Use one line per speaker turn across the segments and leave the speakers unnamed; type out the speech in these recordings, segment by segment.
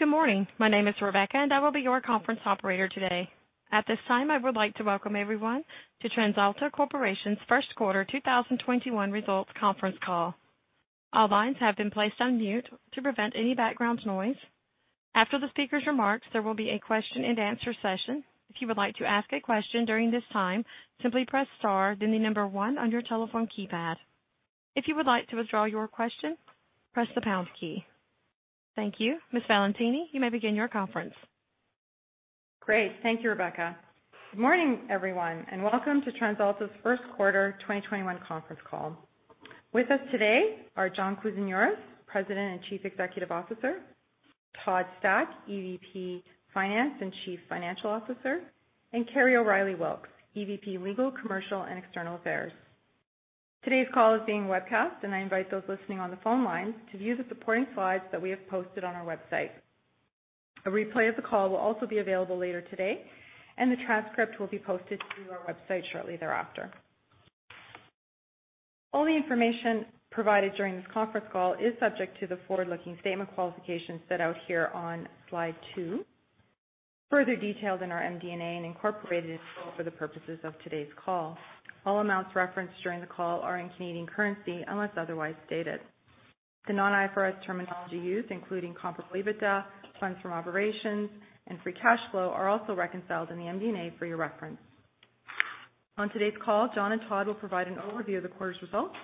Good morning. My name is Rebecca, and I will be your conference operator today. At this time, I would like to welcome everyone to TransAlta Corporation's first quarter 2021 results conference call. All lines have been placed on mute to prevent any background noise. After the speaker's remarks, there will be a question and answer session. If you would like to ask a question during this time, simply press star, then the number one on your telephone keypad. If you would like to withdraw your question, press the pound key. Thank you. Ms. Valentini, you may begin your conference.
Great. Thank you, Rebecca. Good morning, everyone, and welcome to TransAlta's first quarter 2021 conference call. With us today are John Kousinioris, President and Chief Executive Officer, Todd Stack, EVP Finance and Chief Financial Officer, and Kerry O'Reilly Wilks, EVP Legal, Commercial and External Affairs. Today's call is being webcast, and I invite those listening on the phone lines to view the supporting slides that we have posted on our website. A replay of the call will also be available later today, and the transcript will be posted to our website shortly thereafter. All the information provided during this conference call is subject to the forward-looking statement qualifications set out here on slide two, further detailed in our MD&A and incorporated in full for the purposes of today's call. All amounts referenced during the call are in Canadian currency, unless otherwise stated. The non-IFRS terminology used, including comparable EBITDA, funds from operations, and free cash flow, are also reconciled in the MD&A for your reference. On today's call, John and Todd will provide an overview of the quarter's results,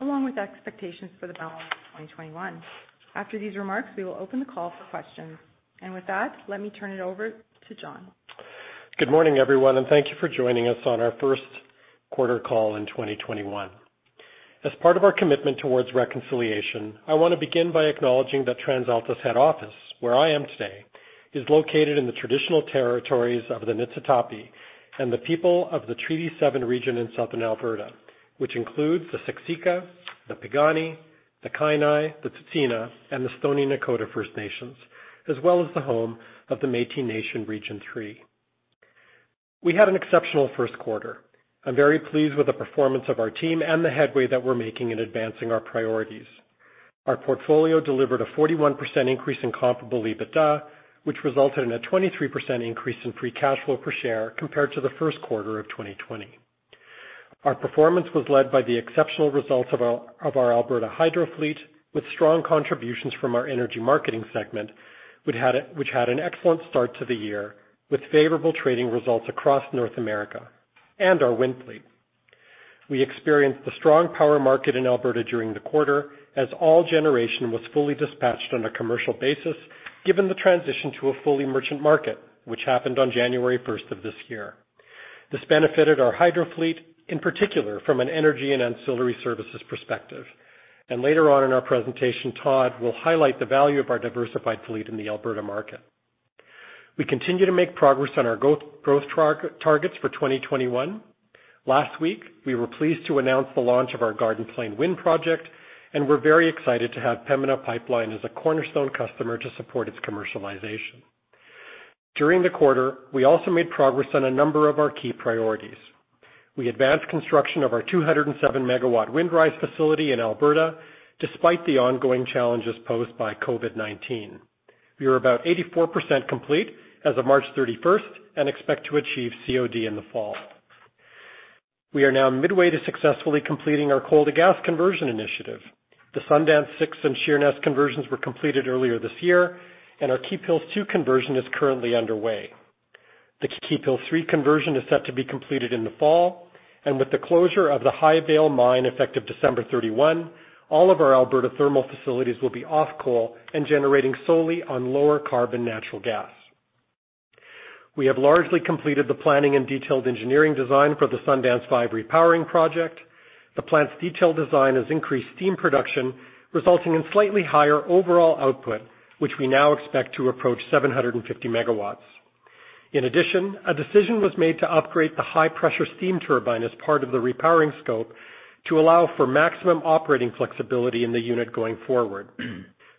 along with expectations for the balance of 2021. After these remarks, we will open the call for questions. With that, let me turn it over to John.
Good morning, everyone, and thank you for joining us on our first quarter call in 2021. As part of our commitment towards reconciliation, I want to begin by acknowledging that TransAlta's head office, where I am today, is located in the traditional territories of the Niitsitapi and the people of the Treaty 7 region in southern Alberta, which include the Siksika, the Piikani, the Kainai, the Tsuut'ina, and the Stoney Nakoda First Nations, as well as the home of the Métis Nation Region 3. We had an exceptional first quarter. I'm very pleased with the performance of our team and the headway that we're making in advancing our priorities. Our portfolio delivered a 41% increase in comparable EBITDA, which resulted in a 23% increase in free cash flow per share compared to the first quarter of 2020. Our performance was led by the exceptional results of our Alberta Hydro fleet, with strong contributions from our energy marketing segment, which had an excellent start to the year, with favorable trading results across North America and our wind fleet. We experienced the strong power market in Alberta during the quarter, as all generation was fully dispatched on a commercial basis, given the transition to a fully merchant market, which happened on January 1st of this year. This benefited our hydro fleet, in particular, from an energy and ancillary services perspective. Later on in our presentation, Todd will highlight the value of our diversified fleet in the Alberta market. We continue to make progress on our growth targets for 2021. Last week, we were pleased to announce the launch of our Garden Plain Wind Project, and we're very excited to have Pembina Pipeline as a cornerstone customer to support its commercialization. During the quarter, we also made progress on a number of our key priorities. We advanced construction of our 207 MW Windrise facility in Alberta, despite the ongoing challenges posed by COVID-19. We are about 84% complete as of March 31st and expect to achieve COD in the fall. We are now midway to successfully completing our coal to gas conversion initiative. The Sundance 6 and Sheerness conversions were completed earlier this year, and our Keephills 2 conversion is currently underway. The Keephills 3 conversion is set to be completed in the fall, and with the closure of the Highvale Mine effective December 31, all of our Alberta thermal facilities will be off coal and generating solely on lower carbon natural gas. We have largely completed the planning and detailed engineering design for the Sundance 5 repowering project. The plant's detailed design has increased steam production, resulting in slightly higher overall output, which we now expect to approach 750 MW. In addition, a decision was made to upgrade the high-pressure steam turbine as part of the repowering scope to allow for maximum operating flexibility in the unit going forward.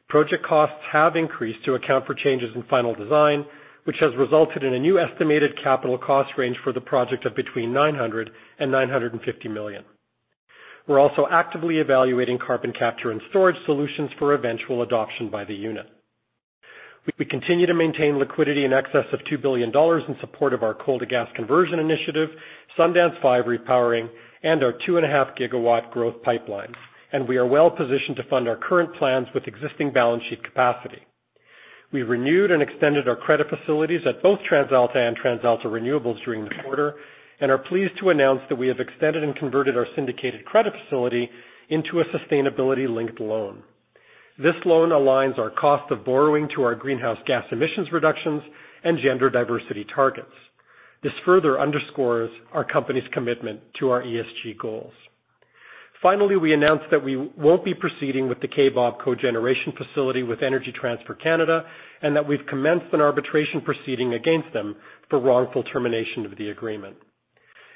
Project costs have increased to account for changes in final design, which has resulted in a new estimated capital cost range for the project of between 900 million and 950 million. We're also actively evaluating carbon capture and storage solutions for eventual adoption by the unit. We continue to maintain liquidity in excess of 2 billion dollars in support of our coal to gas conversion initiative, Sundance 5 repowering, and our 2.5 GW growth pipeline, and we are well-positioned to fund our current plans with existing balance sheet capacity. We renewed and extended our credit facilities at both TransAlta and TransAlta Renewables during the quarter and are pleased to announce that we have extended and converted our syndicated credit facility into a sustainability-linked loan. This loan aligns our cost of borrowing to our greenhouse gas emissions reductions and gender diversity targets. This further underscores our company's commitment to our ESG goals. Finally, we announced that we won't be proceeding with the Kaybob Cogeneration facility with Energy Transfer Canada, and that we've commenced an arbitration proceeding against them for wrongful termination of the agreement.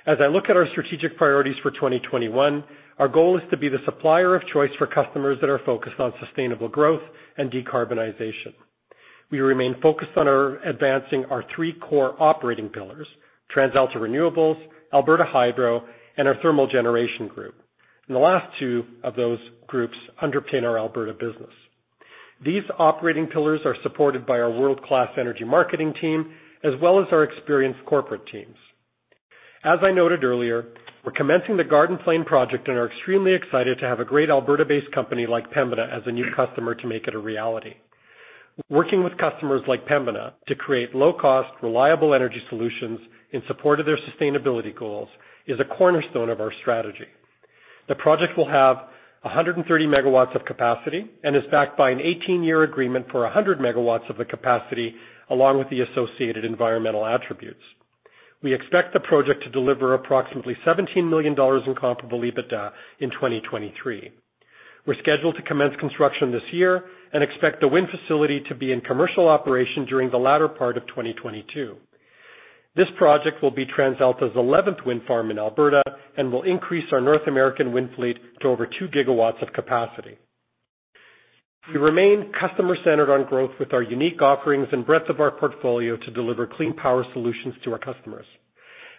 As I look at our strategic priorities for 2021, our goal is to be the supplier of choice for customers that are focused on sustainable growth and decarbonization. We remain focused on advancing our three core operating pillars, TransAlta Renewables, Alberta Hydro, and our thermal generation group. The last two of those groups underpin our Alberta business. These operating pillars are supported by our world-class energy marketing team, as well as our experienced corporate teams. As I noted earlier, we're commencing the Garden Plain project and are extremely excited to have a great Alberta-based company like Pembina as a new customer to make it a reality. Working with customers like Pembina to create low-cost, reliable energy solutions in support of their sustainability goals is a cornerstone of our strategy. The project will have 130 MW of capacity and is backed by an 18-year agreement for 100 MW of the capacity, along with the associated environmental attributes. We expect the project to deliver approximately 17 million dollars in comparable EBITDA in 2023. We're scheduled to commence construction this year and expect the wind facility to be in commercial operation during the latter part of 2022. This project will be TransAlta's 11th wind farm in Alberta and will increase our North American wind fleet to over 2 GW of capacity. We remain customer-centered on growth with our unique offerings and breadth of our portfolio to deliver clean power solutions to our customers.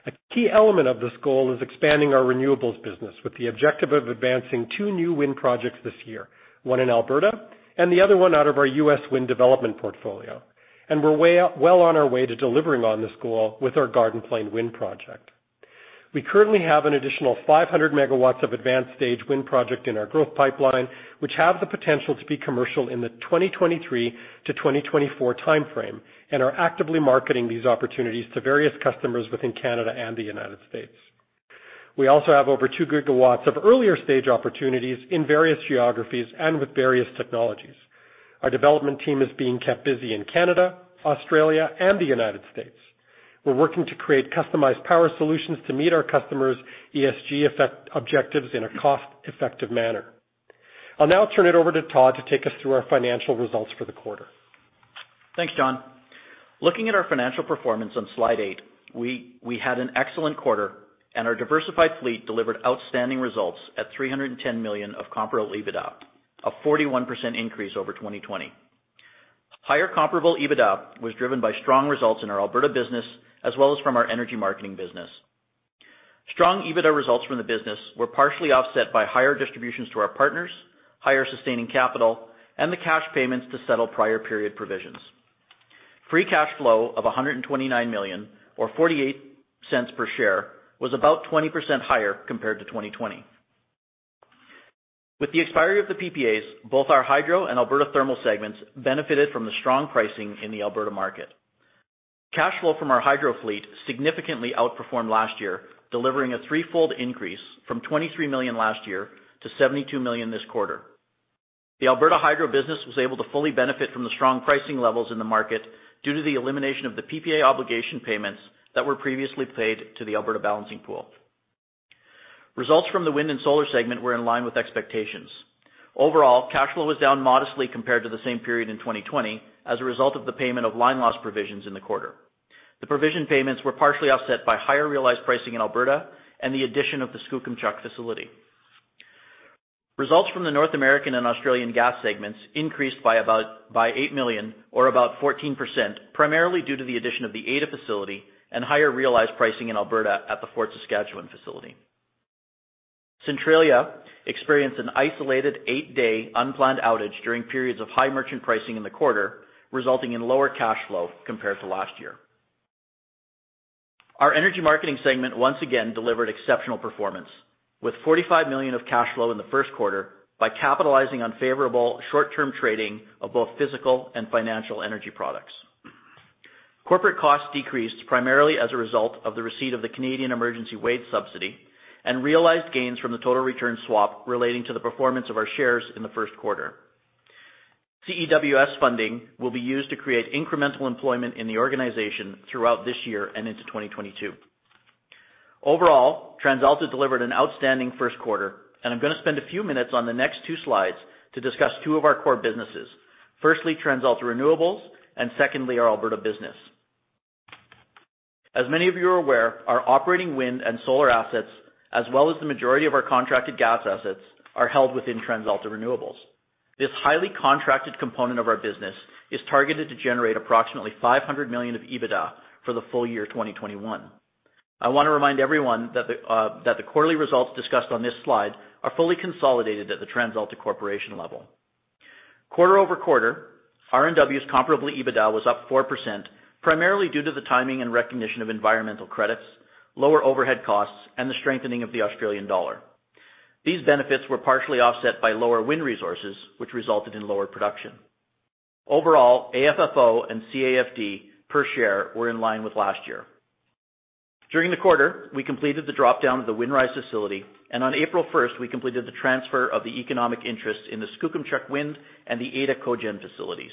A key element of this goal is expanding our renewables business with the objective of advancing two new wind projects this year, one in Alberta and the other one out of our U.S. wind development portfolio. We're well on our way to delivering on this goal with our Garden Plain wind project. We currently have an additional 500 MW of advanced-stage wind project in our growth pipeline, which have the potential to be commercial in the 2023 to 2024 timeframe and are actively marketing these opportunities to various customers within Canada and the United States. We also have over two GW of earlier-stage opportunities in various geographies and with various technologies. Our development team is being kept busy in Canada, Australia, and the United States. We're working to create customized power solutions to meet our customers' ESG objectives in a cost-effective manner. I'll now turn it over to Todd to take us through our financial results for the quarter.
Thanks, John. Looking at our financial performance on slide eight, we had an excellent quarter, and our diversified fleet delivered outstanding results at 310 million of comparable EBITDA, a 41% increase over 2020. Higher comparable EBITDA was driven by strong results in our Alberta business, as well as from our energy marketing business. Strong EBITDA results from the business were partially offset by higher distributions to our partners, higher sustaining capital, and the cash payments to settle prior period provisions. Free cash flow of 129 million or 0.48 per share was about 20% higher compared to 2020. With the expiry of the PPAs, both our Hydro and Alberta Thermal segments benefited from the strong pricing in the Alberta market. Cash flow from our hydro fleet significantly outperformed last year, delivering a threefold increase from 23 million last year to 72 million this quarter. The Alberta Hydro business was able to fully benefit from the strong pricing levels in the market due to the elimination of the PPA obligation payments that were previously paid to the Alberta Balancing Pool. Results from the wind and solar segment were in line with expectations. Overall, cash flow was down modestly compared to the same period in 2020 as a result of the payment of line loss provisions in the quarter. The provision payments were partially offset by higher realized pricing in Alberta and the addition of the Skookumchuck facility. Results from the North American and Australian gas segments increased by 8 million or about 14%, primarily due to the addition of the Ada facility and higher realized pricing in Alberta at the Fort Saskatchewan facility. Centralia experienced an isolated eight-day unplanned outage during periods of high merchant pricing in the quarter, resulting in lower cash flow compared to last year. Our energy marketing segment once again delivered exceptional performance with 45 million of cash flow in the first quarter by capitalizing on favorable short-term trading of both physical and financial energy products. Corporate costs decreased primarily as a result of the receipt of the Canada Emergency Wage Subsidy and realized gains from the total return swap relating to the performance of our shares in the first quarter. CEWS funding will be used to create incremental employment in the organization throughout this year and into 2022. Overall, TransAlta delivered an outstanding first quarter, and I'm going to spend a few minutes on the next two slides to discuss two of our core businesses. Firstly, TransAlta Renewables, and secondly, our Alberta business. As many of you are aware, our operating wind and solar assets, as well as the majority of our contracted gas assets, are held within TransAlta Renewables. This highly contracted component of our business is targeted to generate approximately 500 million of EBITDA for the full year 2021. I want to remind everyone that the quarterly results discussed on this slide are fully consolidated at the TransAlta Corporation level. Quarter-over-quarter, RNW's comparable EBITDA was up 4%, primarily due to the timing and recognition of environmental credits, lower overhead costs, and the strengthening of the Australian dollar. These benefits were partially offset by lower wind resources, which resulted in lower production. Overall, AFFO and CAFD per share were in line with last year. During the quarter, we completed the drop-down of the Windrise facility, and on April 1st, we completed the transfer of the economic interest in the Skookumchuck Wind and the Ada CoGen facilities.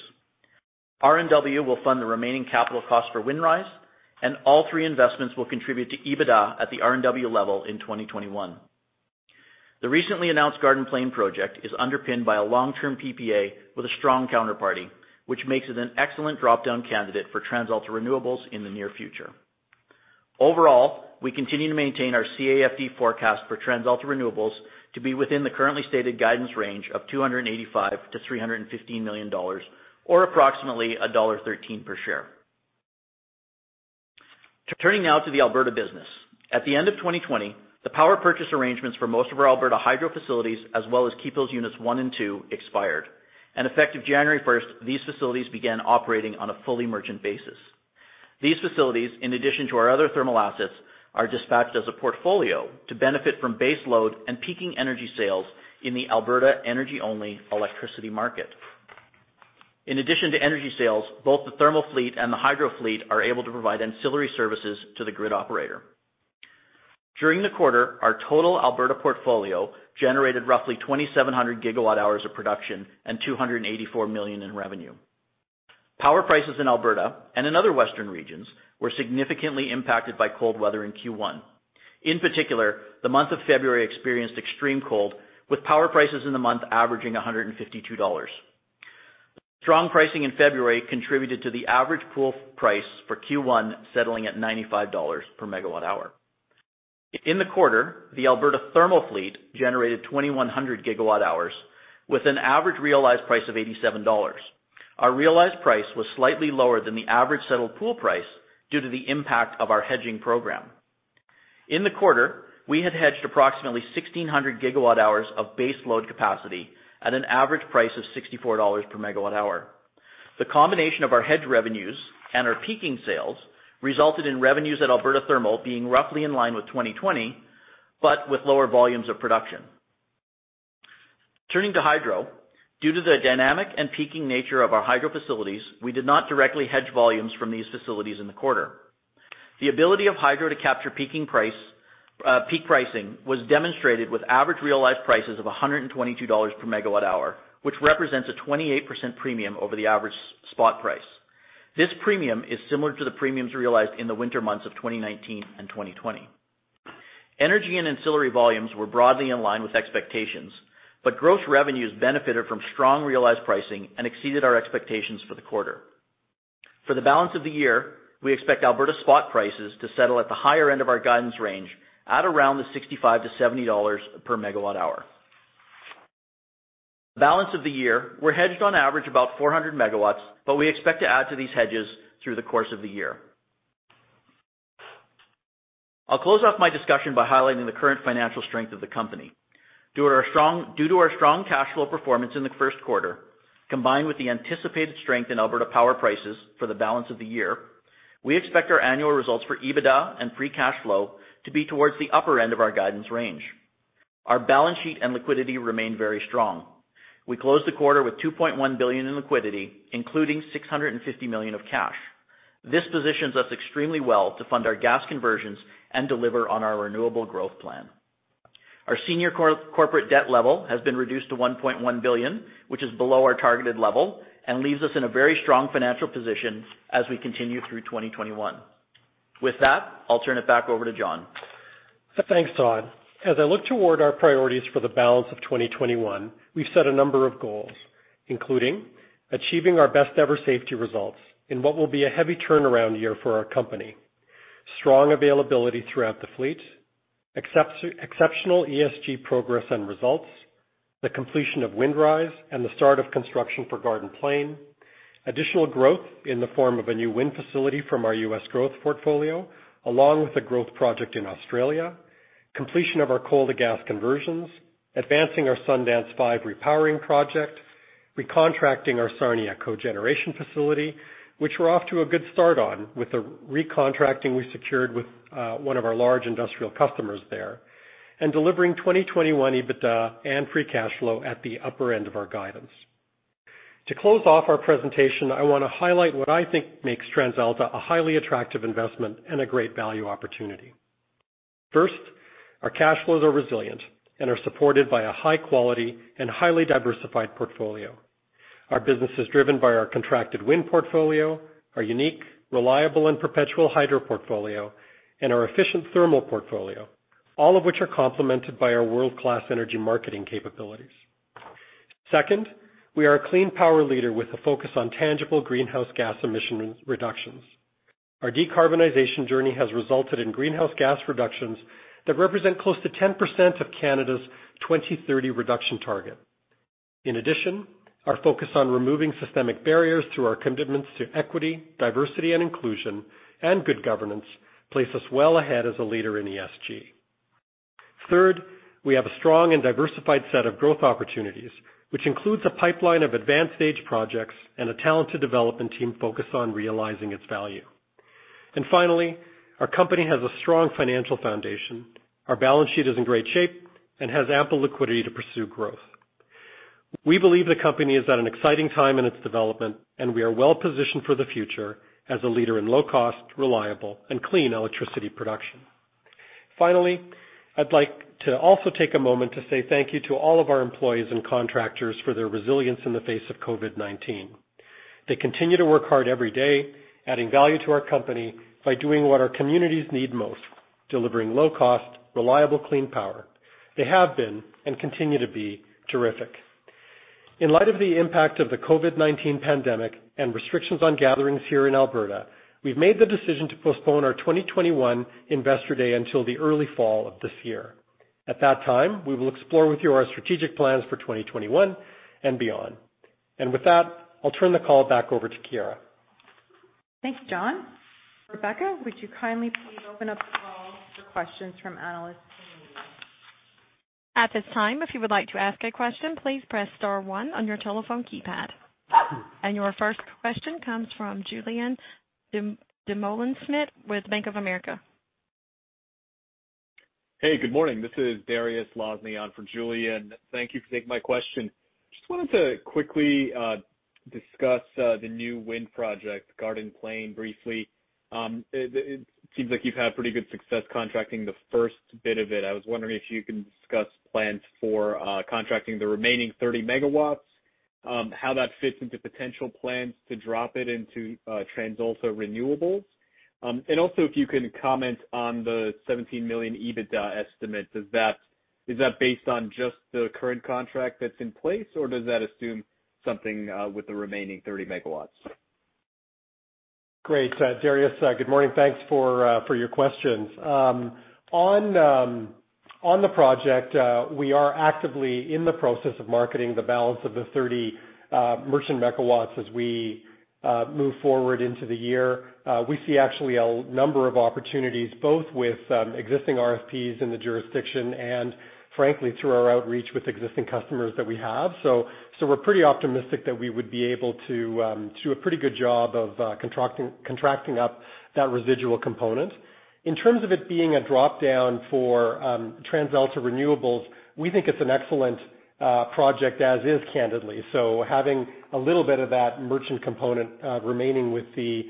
RNW will fund the remaining capital cost for Windrise, and all three investments will contribute to EBITDA at the RNW level in 2021. The recently announced Garden Plain project is underpinned by a long-term PPA with a strong counterparty, which makes it an excellent drop-down candidate for TransAlta Renewables in the near future. Overall, we continue to maintain our CAFD forecast for TransAlta Renewables to be within the currently stated guidance range of 285 million-315 million dollars, or approximately dollar 1.13 per share. Turning now to the Alberta business. At the end of 2020, the power purchase arrangements for most of our Alberta hydro facilities, as well as KeepHills units one and two, expired. Effective January 1st, these facilities began operating on a fully merchant basis. These facilities, in addition to our other thermal assets, are dispatched as a portfolio to benefit from base load and peaking energy sales in the Alberta energy-only electricity market. In addition to energy sales, both the thermal fleet and the hydro fleet are able to provide ancillary services to the grid operator. During the quarter, our total Alberta portfolio generated roughly 2,700 GW hours of production and 284 million in revenue. Power prices in Alberta, and in other western regions, were significantly impacted by cold weather in Q1. In particular, the month of February experienced extreme cold, with power prices in the month averaging 152 dollars. Strong pricing in February contributed to the average pool price for Q1 settling at 95 dollars per megawatt hour. In the quarter, the Alberta thermal fleet generated 2,100 GW hours with an average realized price of 87 dollars. Our realized price was slightly lower than the average settled pool price due to the impact of our hedging program. In the quarter, we had hedged approximately 1,600 GW hours of base load capacity at an average price of 64 dollars per MW hour. The combination of our hedge revenues and our peaking sales resulted in revenues at Alberta thermal being roughly in line with 2020, but with lower volumes of production. Turning to hydro, due to the dynamic and peaking nature of our hydro facilities, we did not directly hedge volumes from these facilities in the quarter. The ability of hydro to capture peak pricing was demonstrated with average realized prices of 122 dollars per MW hour, which represents a 28% premium over the average spot price. This premium is similar to the premiums realized in the winter months of 2019 and 2020. Energy and ancillary volumes were broadly in line with expectations, gross revenues benefited from strong realized pricing and exceeded our expectations for the quarter. For the balance of the year, we expect Alberta spot prices to settle at the higher end of our guidance range at around the 65-70 dollars per MW hour. Balance of the year, we're hedged on average about 400 MW, we expect to add to these hedges through the course of the year. I'll close off my discussion by highlighting the current financial strength of the company. Due to our strong cash flow performance in the first quarter, combined with the anticipated strength in Alberta power prices for the balance of the year, we expect our annual results for EBITDA and free cash flow to be towards the upper end of our guidance range. Our balance sheet and liquidity remain very strong. We closed the quarter with 2.1 billion in liquidity, including 650 million of cash. This positions us extremely well to fund our gas conversions and deliver on our renewable growth plan. Our senior corporate debt level has been reduced to 1.1 billion, which is below our targeted level and leaves us in a very strong financial position as we continue through 2021. With that, I'll turn it back over to John.
Thanks, Todd. As I look toward our priorities for the balance of 2021, we've set a number of goals, including achieving our best ever safety results in what will be a heavy turnaround year for our company, strong availability throughout the fleet, exceptional ESG progress and results, the completion of Windrise, and the start of construction for Garden Plain, additional growth in the form of a new wind facility from our U.S. growth portfolio, along with a growth project in Australia, completion of our coal to gas conversions, advancing our Sundance 5 repowering project, recontracting our Sarnia cogeneration facility, which we're off to a good start on with the recontracting we secured with one of our large industrial customers there, and delivering 2021 EBITDA and free cash flow at the upper end of our guidance. To close off our presentation, I want to highlight what I think makes TransAlta a highly attractive investment and a great value opportunity. First, our cash flows are resilient and are supported by a high quality and highly diversified portfolio. Our business is driven by our contracted wind portfolio, our unique, reliable, and perpetual hydro portfolio, and our efficient thermal portfolio, all of which are complemented by our world-class energy marketing capabilities. Second, we are a clean power leader with a focus on tangible greenhouse gas emission reductions. Our decarbonization journey has resulted in greenhouse gas reductions that represent close to 10% of Canada's 2030 reduction target. In addition, our focus on removing systemic barriers through our commitments to equity, diversity, and inclusion, and good governance place us well ahead as a leader in ESG. Third, we have a strong and diversified set of growth opportunities, which includes a pipeline of advanced stage projects and a talented development team focused on realizing its value. Finally, our company has a strong financial foundation. Our balance sheet is in great shape and has ample liquidity to pursue growth. We believe the company is at an exciting time in its development, and we are well-positioned for the future as a leader in low-cost, reliable, and clean electricity production. Finally, I'd like to also take a moment to say thank you to all of our employees and contractors for their resilience in the face of COVID-19. They continue to work hard every day, adding value to our company by doing what our communities need most, delivering low-cost, reliable clean power. They have been, and continue to be, terrific. In light of the impact of the COVID-19 pandemic and restrictions on gatherings here in Alberta, we've made the decision to postpone our 2021 Investor Day until the early fall of this year. At that time, we will explore with you our strategic plans for 2021 and beyond. With that, I'll turn the call back over to Chiara.
Thanks, John. Rebecca, would you kindly please open up the call for questions from analysts and media?
At this time, if you would like to ask a question, please press star one on your telephone keypad. Your first question comes from Julien Dumoulin-Smith with Bank of America.
Hey, good morning. This is Dariusz Lozny on for Julien. Thank you for taking my question. Just wanted to quickly discuss the new wind project, Garden Plain, briefly. It seems like you've had pretty good success contracting the first bit of it. I was wondering if you can discuss plans for contracting the remaining 30 MW, how that fits into potential plans to drop it into TransAlta Renewables. Also, if you can comment on the 17 million EBITDA estimate. Is that based on just the current contract that's in place, or does that assume something with the remaining 30 megawatts?
Great, Dariusz. Good morning. Thanks for your questions. On the project, we are actively in the process of marketing the balance of the 30 merchant MW as we move forward into the year. We see actually a number of opportunities, both with existing RFPs in the jurisdiction and frankly, through our outreach with existing customers that we have. We're pretty optimistic that we would be able to do a pretty good job of contracting up that residual component. In terms of it being a drop-down for TransAlta Renewables, we think it's an excellent project as is, candidly. Having a little bit of that merchant component remaining with the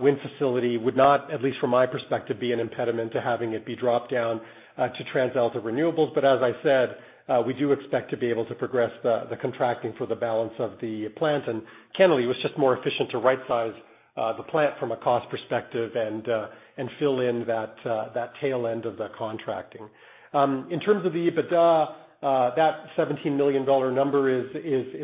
wind facility would not, at least from my perspective, be an impediment to having it be dropped down to TransAlta Renewables. As I said, we do expect to be able to progress the contracting for the balance of the plant. Candidly, it was just more efficient to right-size the plant from a cost perspective and fill in that tail end of the contracting. In terms of the EBITDA, that 17 million dollar number is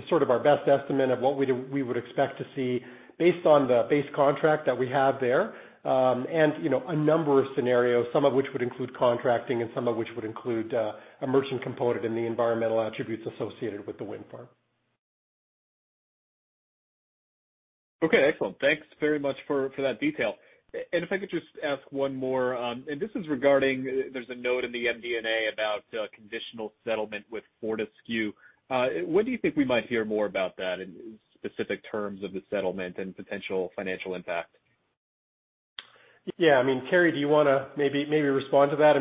sort of our best estimate of what we would expect to see based on the base contract that we have there. A number of scenarios, some of which would include contracting and some of which would include a merchant component in the environmental attributes associated with the wind farm.
Okay, excellent. Thanks very much for that detail. If I could just ask one more, and this is regarding, there's a note in the MD&A about a conditional settlement with Fortescue. When do you think we might hear more about that in specific terms of the settlement and potential financial impact?
Yeah. Kerry, do you want to maybe respond to that?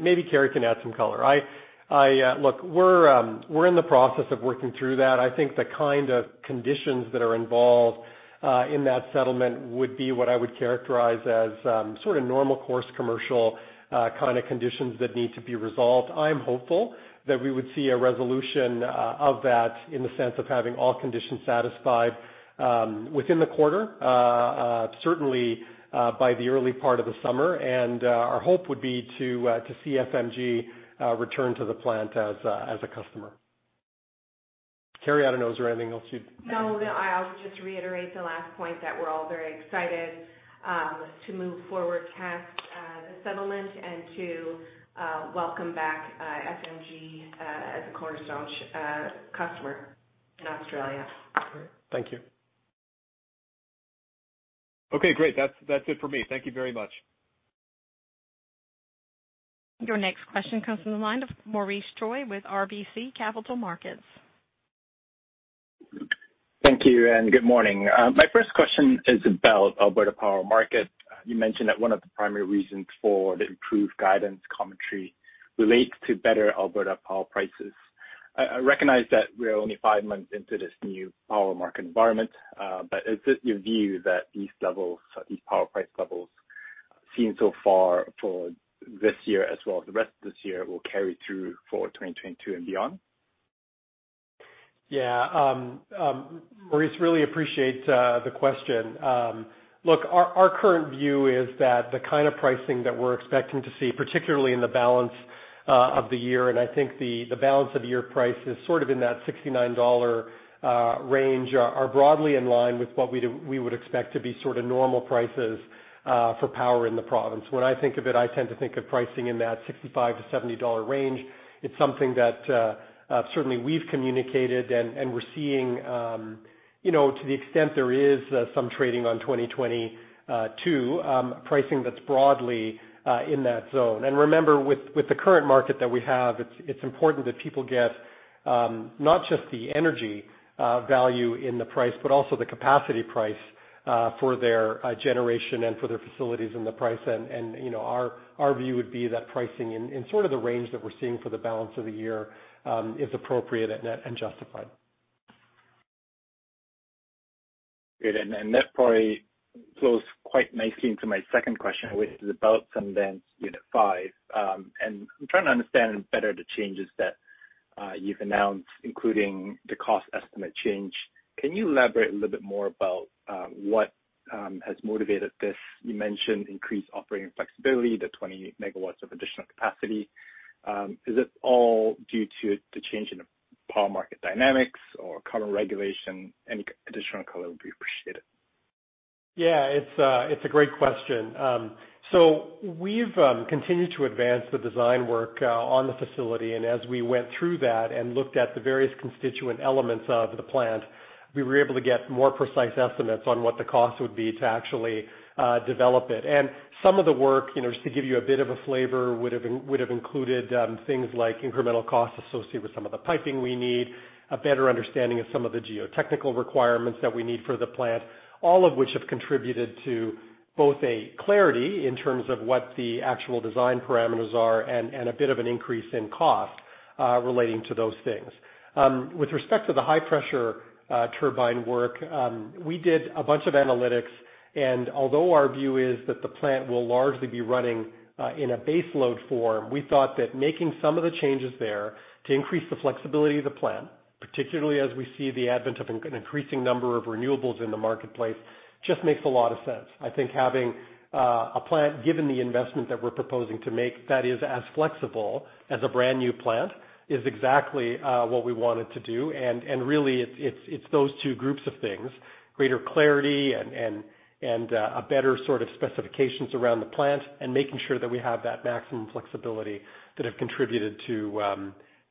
Maybe Kerry can add some color. Look, we're in the process of working through that. I think the kind of conditions that are involved in that settlement would be what I would characterize as sort of normal course commercial kind of conditions that need to be resolved. I'm hopeful that we would see a resolution of that in the sense of having all conditions satisfied within the quarter, certainly by the early part of the summer. Our hope would be to see FMG return to the plant as a customer. Kerry, I don't know. Is there anything else you'd?
No, I'll just reiterate the last point that we're all very excited to move forward past the settlement and to welcome back FMG as a cornerstone customer in Australia.
Thank you.
Okay, great. That's it for me. Thank you very much.
Your next question comes from the line of Maurice Choy with RBC Capital Markets.
Thank you, and good morning. My first question is about Alberta power market. You mentioned that one of the primary reasons for the improved guidance commentary relates to better Alberta power prices. I recognize that we're only five months into this new power market environment, is it your view that these power price levels seen so far for this year as well as the rest of this year, will carry through for 2022 and beyond?
Yeah. Maurice, really appreciate the question. Look, our current view is that the kind of pricing that we're expecting to see, particularly in the balance of the year, and I think the balance of year price is sort of in that 69 dollar range, are broadly in line with what we would expect to be sort of normal prices for power in the province. When I think of it, I tend to think of pricing in that 65-70 range. It's something that certainly we've communicated, and we're seeing to the extent there is some trading on 2022, pricing that's broadly in that zone. Remember, with the current market that we have, it's important that people get not just the energy value in the price, but also the capacity price for their generation and for their facilities and the price. Our view would be that pricing in sort of the range that we're seeing for the balance of the year is appropriate and justified.
Great. That probably flows quite nicely into my second question, which is about Sundance Unit 5. I'm trying to understand better the changes that you've announced, including the cost estimate change. Can you elaborate a little bit more about what has motivated this? You mentioned increased operating flexibility, the 20 MW of additional capacity. Is it all due to the change in the power market dynamics or current regulation? Any additional color would be appreciated.
Yeah, it's a great question. We've continued to advance the design work on the facility, and as we went through that and looked at the various constituent elements of the plant, we were able to get more precise estimates on what the cost would be to actually develop it. Some of the work, just to give you a bit of a flavor, would have included things like incremental costs associated with some of the piping we need, a better understanding of some of the geotechnical requirements that we need for the plant. All of which have contributed to both a clarity in terms of what the actual design parameters are and a bit of an increase in cost relating to those things. With respect to the high-pressure turbine work, we did a bunch of analytics, and although our view is that the plant will largely be running in a baseload form, we thought that making some of the changes there to increase the flexibility of the plant, particularly as we see the advent of an increasing number of renewables in the marketplace, just makes a lot of sense. I think having a plant, given the investment that we're proposing to make, that is as flexible as a brand new plant is exactly what we wanted to do. Really, it's those two groups of things, greater clarity and a better sort of specifications around the plant, and making sure that we have that maximum flexibility that have contributed to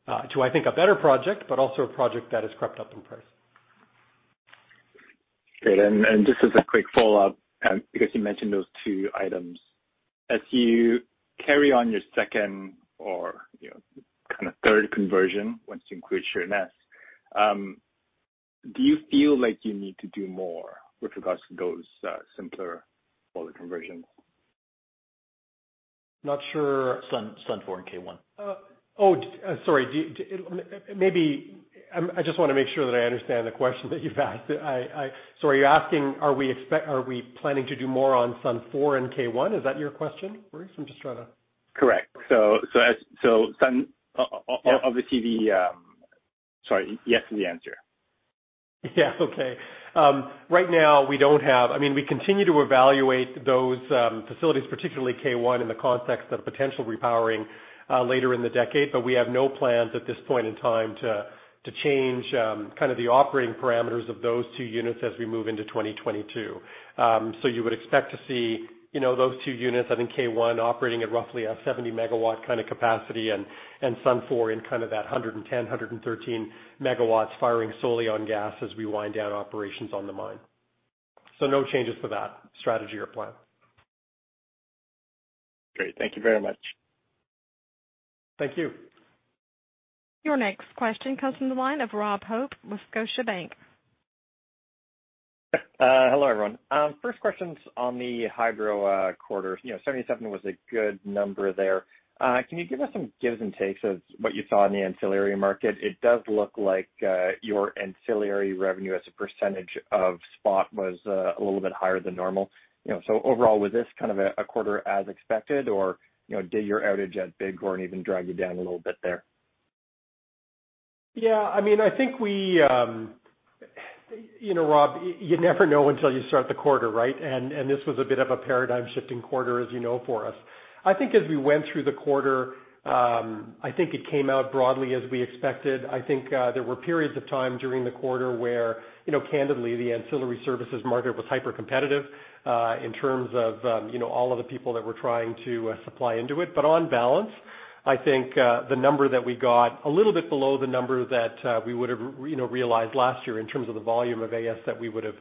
I think a better project, but also a project that has crept up in price.
Great. Just as a quick follow-up, because you mentioned those two items. As you carry on your second or third conversion once you increase your net, do you feel like you need to do more with regards to those simpler boiler conversions?
Not sure.
Sun-4 and K1.
Oh, sorry. I just want to make sure that I understand the question that you've asked. Are you asking, are we planning to do more on Sun-4 and K1? Is that your question, Rory?
Correct. Sorry. Yes to the answer.
We continue to evaluate those facilities, particularly K1, in the context of potential repowering later in the decade. We have no plans at this point in time to change the operating parameters of those two units as we move into 2022. You would expect to see those two units, I think K1 operating at roughly a 70 MW kind of capacity and Sun-4 in kind of that 110, 113 MW firing solely on gas as we wind down operations on the mine. No changes to that strategy or plan.
Great. Thank you very much.
Thank you.
Your next question comes from the line of Rob Hope with Scotiabank.
Hello, everyone. First question's on the hydro quarter. 77 was a good number there. Can you give us some gives and takes of what you saw in the ancillary market? It does look like your ancillary revenue as a percentage of spot was a little bit higher than normal. Overall, was this kind of a quarter as expected, or did your outage at Bighorn even drag you down a little bit there?
Yeah, Rob, you never know until you start the quarter, right? This was a bit of a paradigm-shifting quarter, as you know, for us. I think as we went through the quarter, I think it came out broadly as we expected. I think there were periods of time during the quarter where, candidly, the ancillary services market was hypercompetitive in terms of all of the people that were trying to supply into it. On balance, I think the number that we got, a little bit below the number that we would've realized last year in terms of the volume of AS that we would have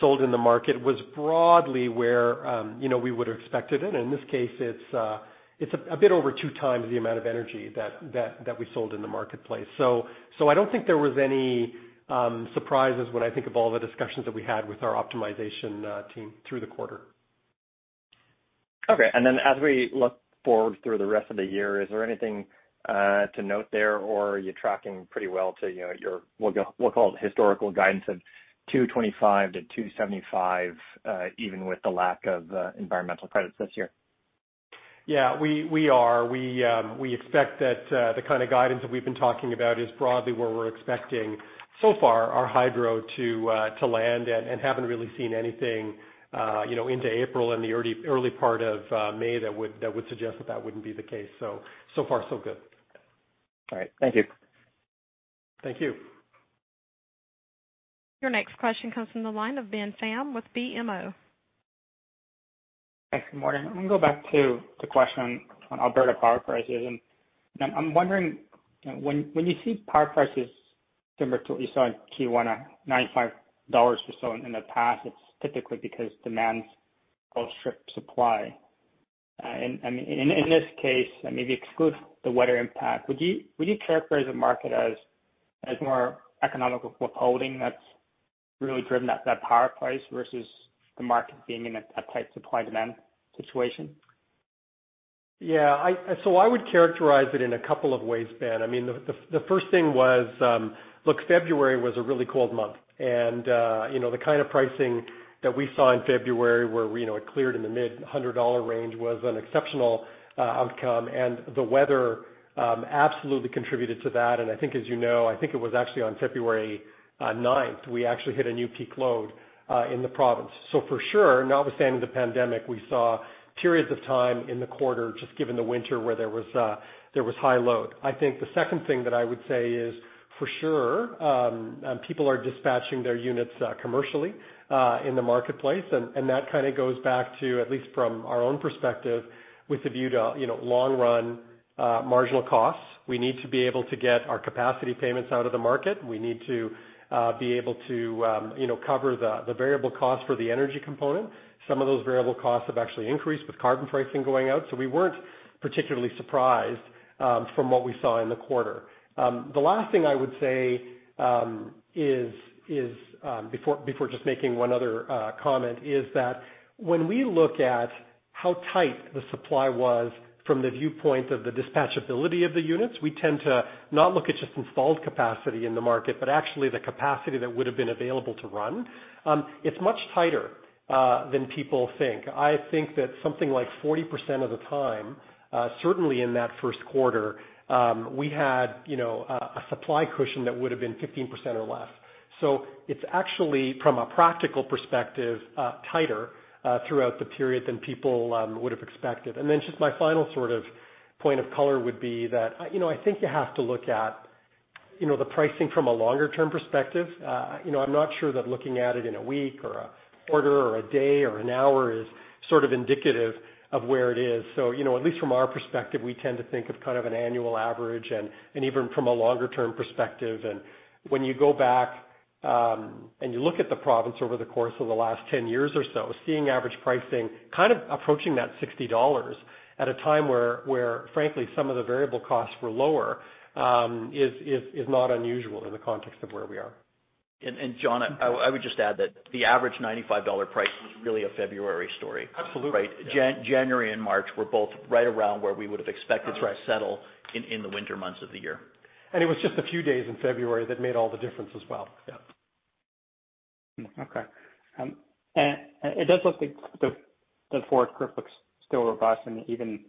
sold in the market, was broadly where we would have expected it. In this case, it's a bit over two times the amount of energy that we sold in the marketplace. I don't think there was any surprises when I think of all the discussions that we had with our optimization team through the quarter.
Okay. As we look forward through the rest of the year, is there anything to note there, or are you tracking pretty well to your what we'll call historical guidance of 225-275, even with the lack of environmental credits this year?
Yeah, we are. We expect that the kind of guidance that we've been talking about is broadly where we're expecting so far our hydro to land and haven't really seen anything into April and the early part of May that would suggest that wouldn't be the case. So far so good.
All right. Thank you.
Thank you.
Your next question comes from the line of Ben Pham with BMO.
Thanks. Good morning. I'm going to go back to the question on Alberta power prices. I'm wondering, when you see power prices similar to what you saw in Q1 at 95 dollars or so in the past, it's typically because demand outstrips supply. In this case, if you exclude the weather impact, would you characterize the market as more that's really driven that power price versus the market being in a tight supply/demand situation?
Yeah. I would characterize it in a couple of ways, Ben. The first thing was, look, February was a really cold month. The kind of pricing that we saw in February where we cleared in the mid 100 dollar range was an exceptional outcome. The weather absolutely contributed to that. I think as you know, I think it was actually on February 9th, we actually hit a new peak load in the province. For sure, not withstanding the pandemic, we saw periods of time in the quarter just given the winter where there was high load. I think the second thing that I would say is, for sure, people are dispatching their units commercially in the marketplace. That kind of goes back to, at least from our own perspective, with a view to long-run marginal costs. We need to be able to get our capacity payments out of the market. We need to be able to cover the variable cost for the energy component. Some of those variable costs have actually increased with carbon pricing going out. We weren't particularly surprised from what we saw in the quarter. The last thing I would say is, before just making one other comment, is that when we look at how tight the supply was from the viewpoint of the dispatchability of the units, we tend to not look at just installed capacity in the market, but actually the capacity that would have been available to run. It's much tighter than people think. I think that something like 40% of the time, certainly in that first quarter, we had a supply cushion that would have been 15% or less. It's actually, from a practical perspective, tighter throughout the period than people would have expected. Just my final point of color would be that I think you have to look at the pricing from a longer-term perspective. I'm not sure that looking at it in a week or a quarter or a day or an hour is indicative of where it is. At least from our perspective, we tend to think of an annual average and even from a longer-term perspective. When you go back and you look at the province over the course of the last 10 years or so, seeing average pricing kind of approaching that 60 dollars at a time where frankly, some of the variable costs were lower, is not unusual in the context of where we are.
John, I would just add that the average 95 dollar price was really a February story.
Absolutely.
January and March were both right around where we would have expected.
That's right.
to settle in the winter months of the year.
It was just a few days in February that made all the difference as well.
Yeah.
Okay. It does look like the forward curve looks still robust and even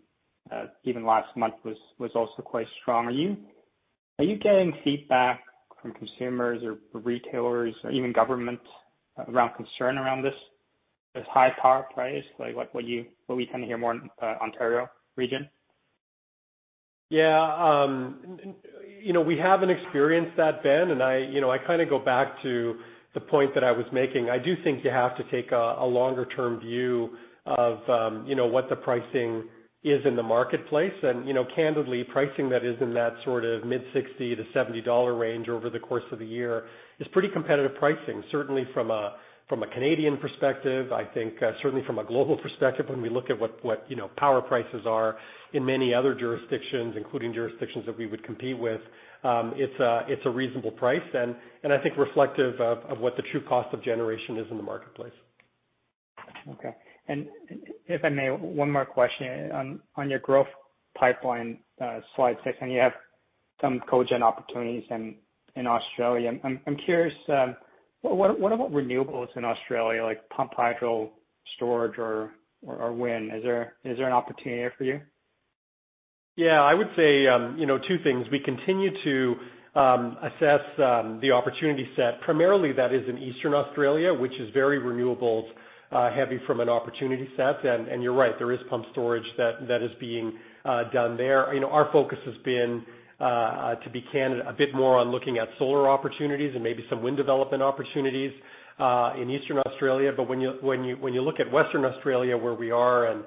last month was also quite strong. Are you getting feedback from consumers or retailers or even government around concern around this high power price? Like what we tend to hear more in Ontario region?
We haven't experienced that, Ben, and I go back to the point that I was making. I do think you have to take a longer-term view of what the pricing is in the marketplace. Candidly, pricing that is in that sort of mid 60 to CAD 70 range over the course of the year is pretty competitive pricing, certainly from a Canadian perspective. I think certainly from a global perspective, when we look at what power prices are in many other jurisdictions, including jurisdictions that we would compete with, it's a reasonable price and I think reflective of what the true cost of generation is in the marketplace.
Okay. If I may, one more question on your growth pipeline, slide six, and you have some cogen opportunities in Australia. I'm curious, what about renewables in Australia, like pumped hydro storage or wind? Is there an opportunity there for you?
I would say, two things. We continue to assess the opportunity set, primarily that is in Eastern Australia, which is very renewables heavy from an opportunity set. You're right, there is pump storage that is being done there. Our focus has been, to be candid, a bit more on looking at solar opportunities and maybe some wind development opportunities, in Eastern Australia. When you look at Western Australia, where we are, and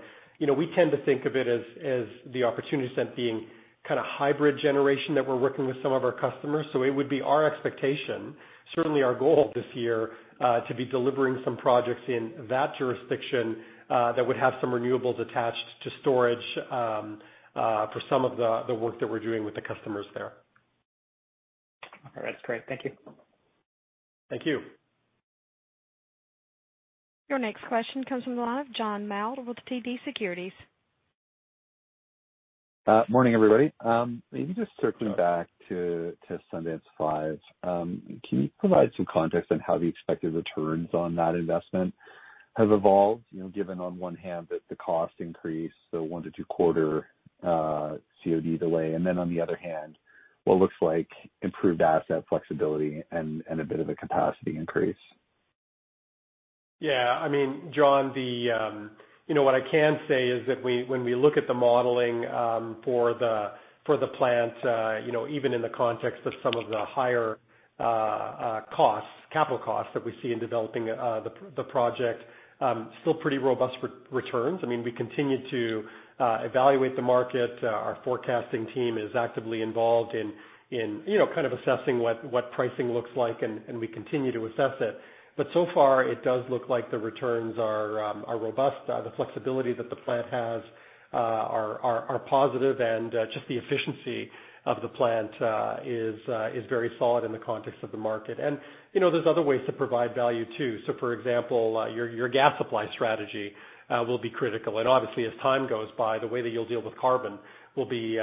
we tend to think of it as the opportunity set being kind of hybrid generation that we're working with some of our customers. It would be our expectation, certainly our goal this year, to be delivering some projects in that jurisdiction, that would have some renewables attached to storage for some of the work that we're doing with the customers there.
All right. Great. Thank you.
Thank you.
Your next question comes from the line of John Mould with TD Securities.
Morning, everybody. Maybe just circling back to Sundance 5. Can you provide some context on how the expected returns on that investment have evolved, given on one hand that the cost increase, so 1 to 2 quarter COD delay, and then on the other hand, what looks like improved asset flexibility and a bit of a capacity increase?
Yeah. John, what I can say is that when we look at the modeling for the plant, even in the context of some of the higher costs, capital costs that we see in developing the project, still pretty robust returns. We continue to evaluate the market. Our forecasting team is actively involved in assessing what pricing looks like, and we continue to assess it. So far it does look like the returns are robust. The flexibility that the plant has are positive and just the efficiency of the plant is very solid in the context of the market. There's other ways to provide value, too. For example, your gas supply strategy will be critical. Obviously as time goes by, the way that you'll deal with carbon will be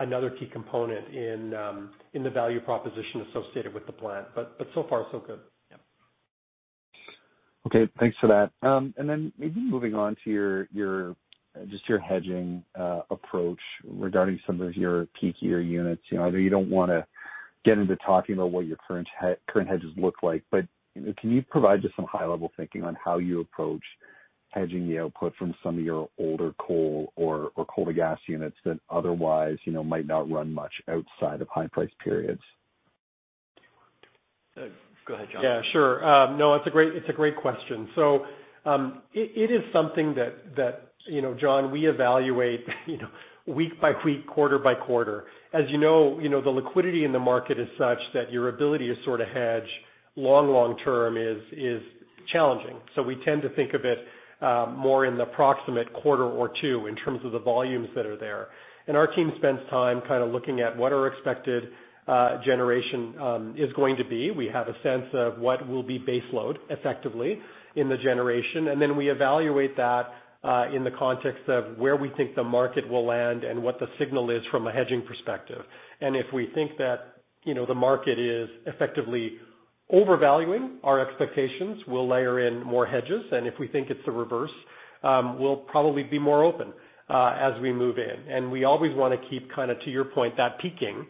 another key component in the value proposition associated with the plant. So far, so good.
Yeah. Okay. Thanks for that. Maybe moving on to just your hedging approach regarding some of your peakier units. I know you don't want to get into talking about what your current hedges look like, can you provide just some high-level thinking on how you approach hedging the output from some of your older coal or coal-to-gas units that otherwise might not run much outside of high-price periods?
Go ahead, John.
Yeah, sure. No, it's a great question. It is something that, John, we evaluate week by week, quarter by quarter. As you know, the liquidity in the market is such that your ability to sort of hedge long term is challenging. We tend to think of it more in the proximate quarter or two in terms of the volumes that are there. Our team spends time kind of looking at what our expected generation is going to be. We have a sense of what will be base load effectively in the generation, and then we evaluate that in the context of where we think the market will land and what the signal is from a hedging perspective. If we think that the market is effectively overvaluing our expectations, we'll layer in more hedges. If we think it's the reverse, we'll probably be more open as we move in. We always want to keep kind of, to your point, that peaking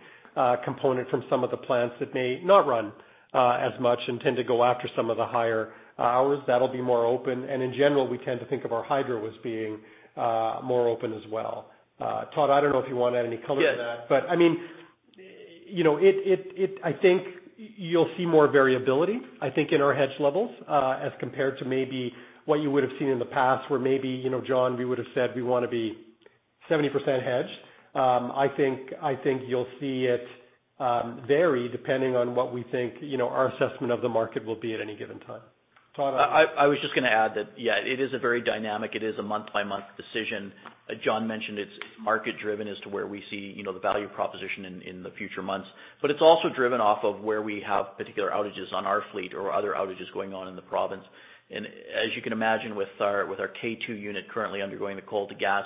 component from some of the plants that may not run as much and tend to go after some of the higher hours. That'll be more open. In general, we tend to think of our hydro as being more open as well. Todd, I don't know if you want to add any color to that?
Yes.
I think you'll see more variability in our hedge levels, as compared to maybe what you would have seen in the past where maybe, John, we would've said we want to be 70% hedged. I think you'll see it vary depending on what we think our assessment of the market will be at any given time. Todd?
I was just going to add that, yeah, it is very dynamic. It is a month-by-month decision. As John mentioned, it's market-driven as to where we see the value proposition in the future months. It's also driven off of where we have particular outages on our fleet or other outages going on in the province. As you can imagine, with our K2 unit currently undergoing the coal to gas,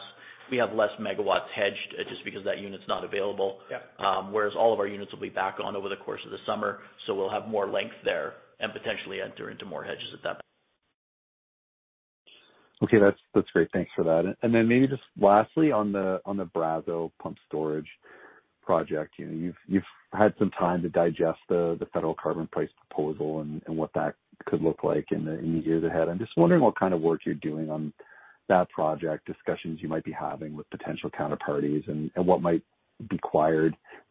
we have less megawatts hedged, just because that unit's not available.
Yeah.
All of our units will be back on over the course of the summer, so we'll have more length there and potentially enter into more hedges.
Okay, that's great. Thanks for that. Then maybe just lastly on the Brazeau Pumped Storage project. You've had some time to digest the federal carbon price proposal and what that could look like in the years ahead. I'm just wondering what kind of work you're doing on that project, discussions you might be having with potential counterparties, and what might be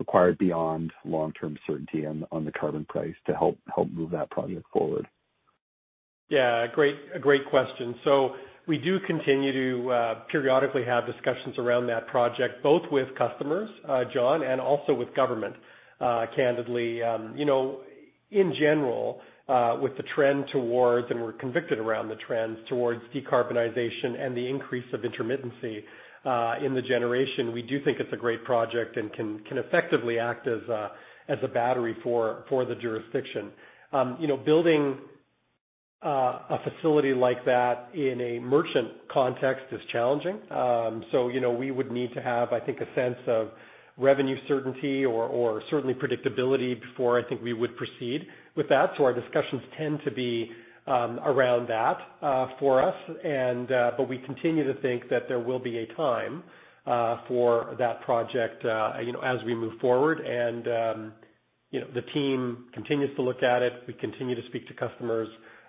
required beyond long-term certainty on the carbon price to help move that project forward.
Yeah, a great question. We do continue to periodically have discussions around that project, both with customers, John, and also with government. Candidly, in general, with the trend towards, and we're convicted around the trends towards decarbonization and the increase of intermittency in the generation, we do think it's a great project and can effectively act as a battery for the jurisdiction. Building a facility like that in a merchant context is challenging. We would need to have, I think, a sense of revenue certainty or certainly predictability before I think we would proceed with that. Our discussions tend to be around that for us. We continue to think that there will be a time for that project as we move forward. The team continues to look at it. We continue to speak to customers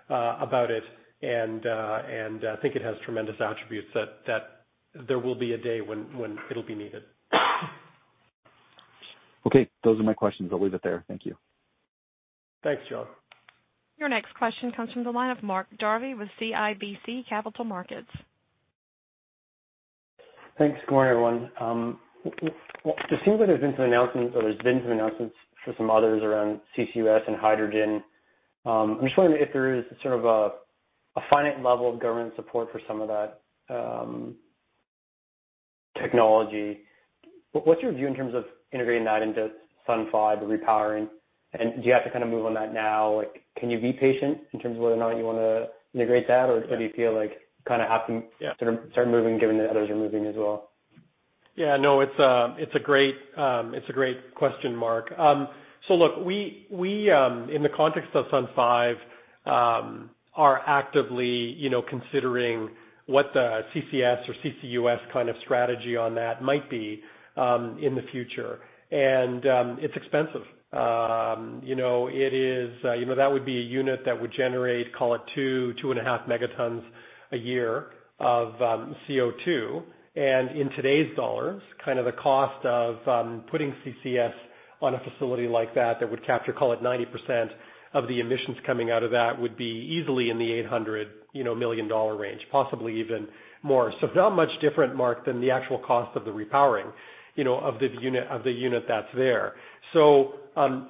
about it, and I think it has tremendous attributes that there will be a day when it'll be needed.
Okay. Those are my questions. I'll leave it there. Thank you.
Thanks, John.
Your next question comes from the line of Mark Jarvi with CIBC Capital Markets.
Thanks. Good morning, everyone. It seems like there's been some announcements from some others around CCUS and hydrogen. I'm just wondering if there is sort of a finite level of government support for some of that technology. What's your view in terms of integrating that into Sun-5, the repowering, and do you have to kind of move on that now? Can you be patient in terms of whether or not you want to integrate that? do you feel like kind of have to
Yeah
sort of start moving, given that others are moving as well?
Yeah, no, it's a great question, Mark. Look, we, in the context of Sun-5, are actively considering what the CCS or CCUS kind of strategy on that might be in the future. It's expensive. That would be a unit that would generate, call it 2.5 megatons a year of CO2. In today's dollars, kind of the cost of putting CCS on a facility like that would capture, call it 90% of the emissions coming out of that, would be easily in the 800 million dollar range, possibly even more. Not much different, Mark, than the actual cost of the repowering of the unit that's there.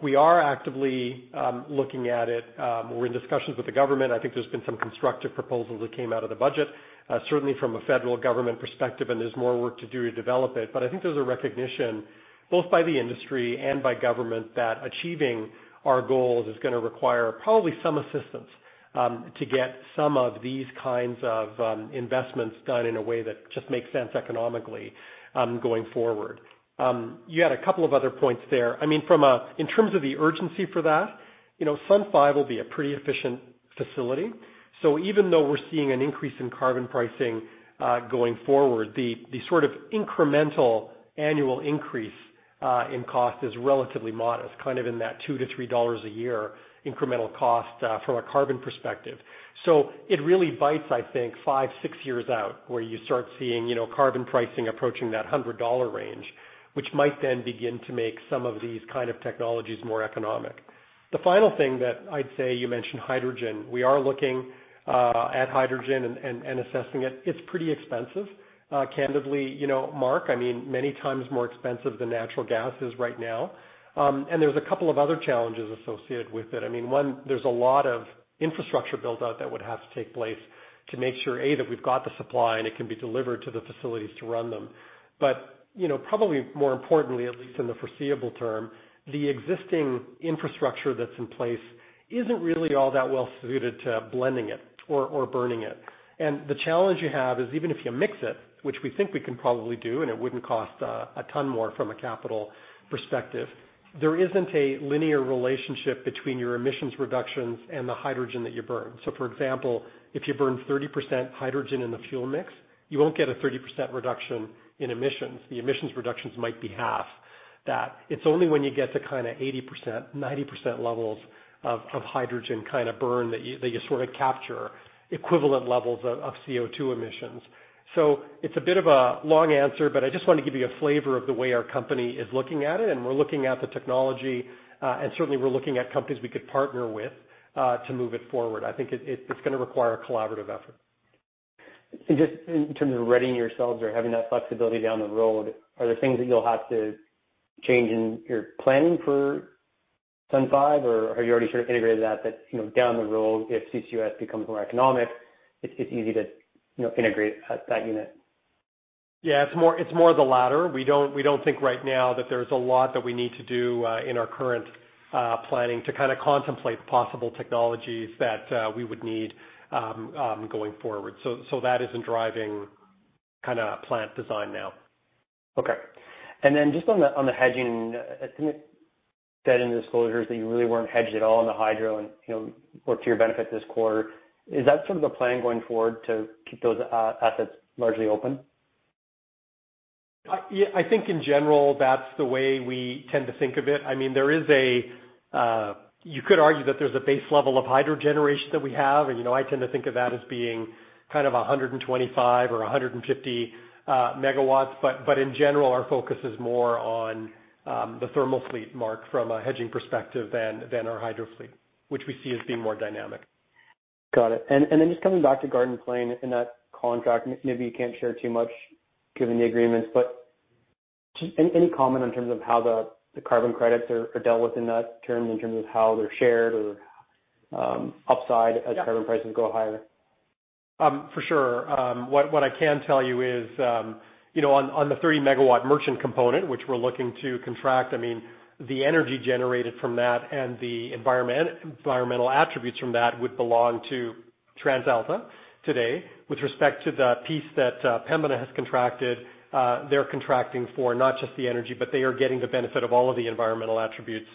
We are actively looking at it. We're in discussions with the government. I think there's been some constructive proposals that came out of the budget, certainly from a federal government perspective, and there's more work to do to develop it. I think there's a recognition, both by the industry and by government, that achieving our goals is going to require probably some assistance, to get some of these kinds of investments done in a way that just makes sense economically going forward. You had a couple of other points there. In terms of the urgency for that, Sun-5 will be a pretty efficient facility. Even though we're seeing an increase in carbon pricing going forward, the sort of incremental annual increase in cost is relatively modest, kind of in that 2-3 dollars a year incremental cost from a carbon perspective. It really bites, I think, five, six years out, where you start seeing carbon pricing approaching that 100 dollar range, which might then begin to make some of these kind of technologies more economic. The final thing that I'd say, you mentioned hydrogen. We are looking at hydrogen and assessing it. It's pretty expensive. Candidly, Mark, many times more expensive than natural gas is right now. There's a couple of other challenges associated with it. One, there's a lot of infrastructure build-out that would have to take place to make sure, A, that we've got the supply, and it can be delivered to the facilities to run them. Probably more importantly, at least in the foreseeable term, the existing infrastructure that's in place isn't really all that well-suited to blending it or burning it. The challenge you have is even if you mix it, which we think we can probably do, and it wouldn't cost a ton more from a capital perspective, there isn't a linear relationship between your emissions reductions and the hydrogen that you burn. For example, if you burn 30% hydrogen in the fuel mix, you won't get a 30% reduction in emissions. The emissions reductions might be half that. It's only when you get to 80%, 90% levels of hydrogen burn that you sort of capture equivalent levels of CO2 emissions. It's a bit of a long answer, but I just wanted to give you a flavor of the way our company is looking at it, and we're looking at the technology, and certainly we're looking at companies we could partner with to move it forward. I think it's going to require a collaborative effort.
Just in terms of readying yourselves or having that flexibility down the road, are there things that you'll have to change in your planning for Sun 5, or have you already sort of integrated that down the road, if CCUS becomes more economic, it's easy to integrate that unit?
Yeah, it's more of the latter. We don't think right now that there's a lot that we need to do in our current planning to contemplate the possible technologies that we would need going forward. That isn't driving plant design now.
Okay. Just on the hedging, I think it said in the disclosures that you really weren't hedged at all in the hydro, and worked to your benefit this quarter. Is that sort of the plan going forward to keep those assets largely open?
I think in general, that's the way we tend to think of it. You could argue that there's a base level of hydro generation that we have, and I tend to think of that as being 125 or 150 megawatts. But in general, our focus is more on the thermal fleet, Mark, from a hedging perspective than our hydro fleet, which we see as being more dynamic.
Got it. Just coming back to Garden Plain and that contract, maybe you can't share too much given the agreements, but just any comment in terms of how the carbon credits are dealt with in that term in terms of how they're shared or upside-
Yeah
as carbon prices go higher?
For sure. What I can tell you is, on the 30 MW merchant component, which we're looking to contract, the energy generated from that and the environmental attributes from that would belong to TransAlta today. With respect to the piece that Pembina has contracted, they're contracting for not just the energy, but they are getting the benefit of all of the environmental attributes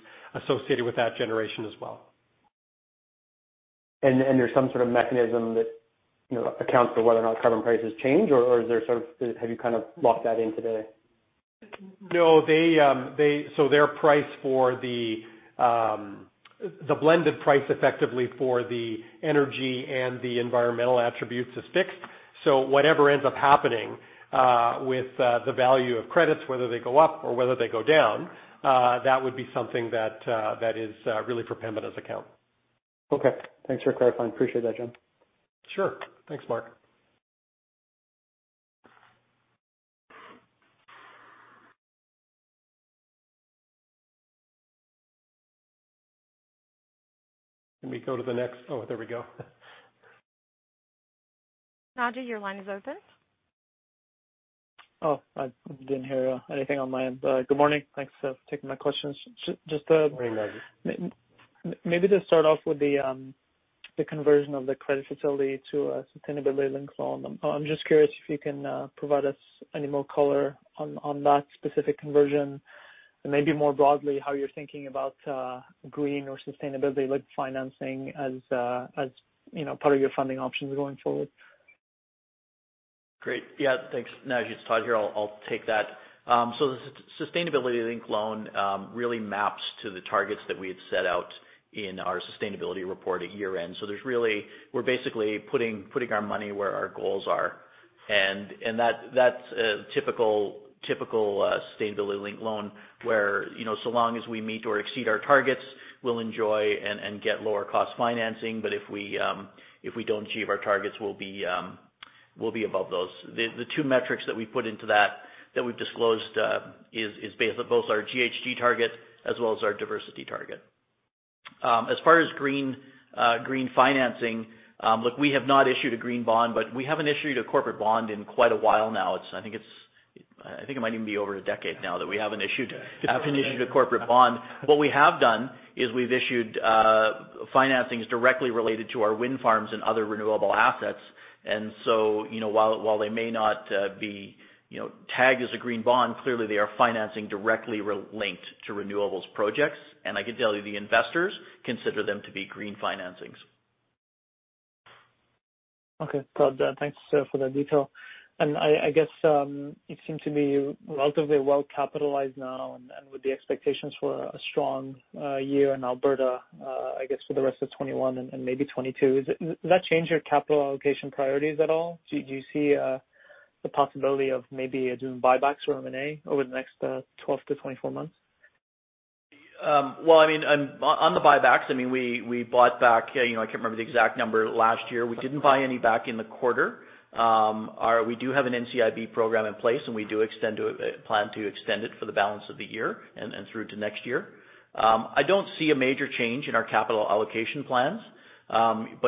associated with that generation as well.
There's some sort of mechanism that accounts for whether or not carbon prices change, or have you locked that in today?
No. Their price for the blended price effectively for the energy and the environmental attributes is fixed. Whatever ends up happening with the value of credits, whether they go up or whether they go down, that would be something that is really for Pembina's account.
Okay. Thanks for clarifying. Appreciate that, John.
Sure. Thanks, Mark. Can we go to the next Oh, there we go.
Naji, your line is open.
Oh, I didn't hear anything on my end. Good morning. Thanks for taking my questions.
Morning, Naji.
Maybe just start off with the conversion of the credit facility to a sustainability-linked loan. I'm just curious if you can provide us any more color on that specific conversion, and maybe more broadly, how you're thinking about green or sustainability-linked financing as part of your funding options going forward.
Great. Yeah, thanks, Naji. It's Todd here. I'll take that. The sustainability-linked loan really maps to the targets that we had set out in our sustainability report at year-end. We're basically putting our money where our goals are, and that's a typical sustainability-linked loan where, so long as we meet or exceed our targets, we'll enjoy and get lower cost financing. If we don't achieve our targets, we'll be above those. The two metrics that we put into that we've disclosed, is both our GHG target as well as our diversity target. As far as green financing, look, we have not issued a green bond, but we haven't issued a corporate bond in quite a while now. I think it might even be over a decade now that we haven't issued a corporate bond. What we have done is we've issued financings directly related to our wind farms and other renewable assets. While they may not be tagged as a green bond, clearly they are financing directly linked to renewables projects, and I can tell you, the investors consider them to be green financings.
Okay. Got that. Thanks for that detail. I guess, it seems to be relatively well-capitalized now, and with the expectations for a strong year in Alberta, I guess, for the rest of 2021 and maybe 2022. Does that change your capital allocation priorities at all? Do you see the possibility of maybe doing buybacks or M&A over the next 12 to 24 months?
Well, on the buybacks, we bought back, I can't remember the exact number last year. We didn't buy any back in the quarter. We do have an NCIB program in place, and we do plan to extend it for the balance of the year and through to next year. I don't see a major change in our capital allocation plans.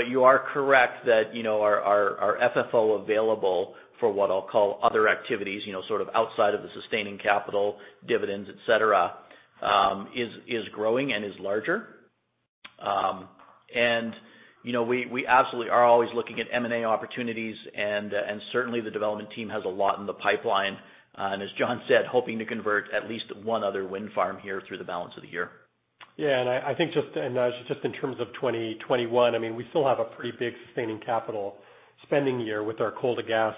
You are correct that our FFO available for what I'll call other activities, sort of outside of the sustaining capital, dividends, et cetera, is growing and is larger. We absolutely are always looking at M&A opportunities, and certainly the development team has a lot in the pipeline. As John said, hoping to convert at least one other wind farm here through the balance of the year.
Yeah, I think just in terms of 2021, we still have a pretty big sustaining capital spending year with our coal to gas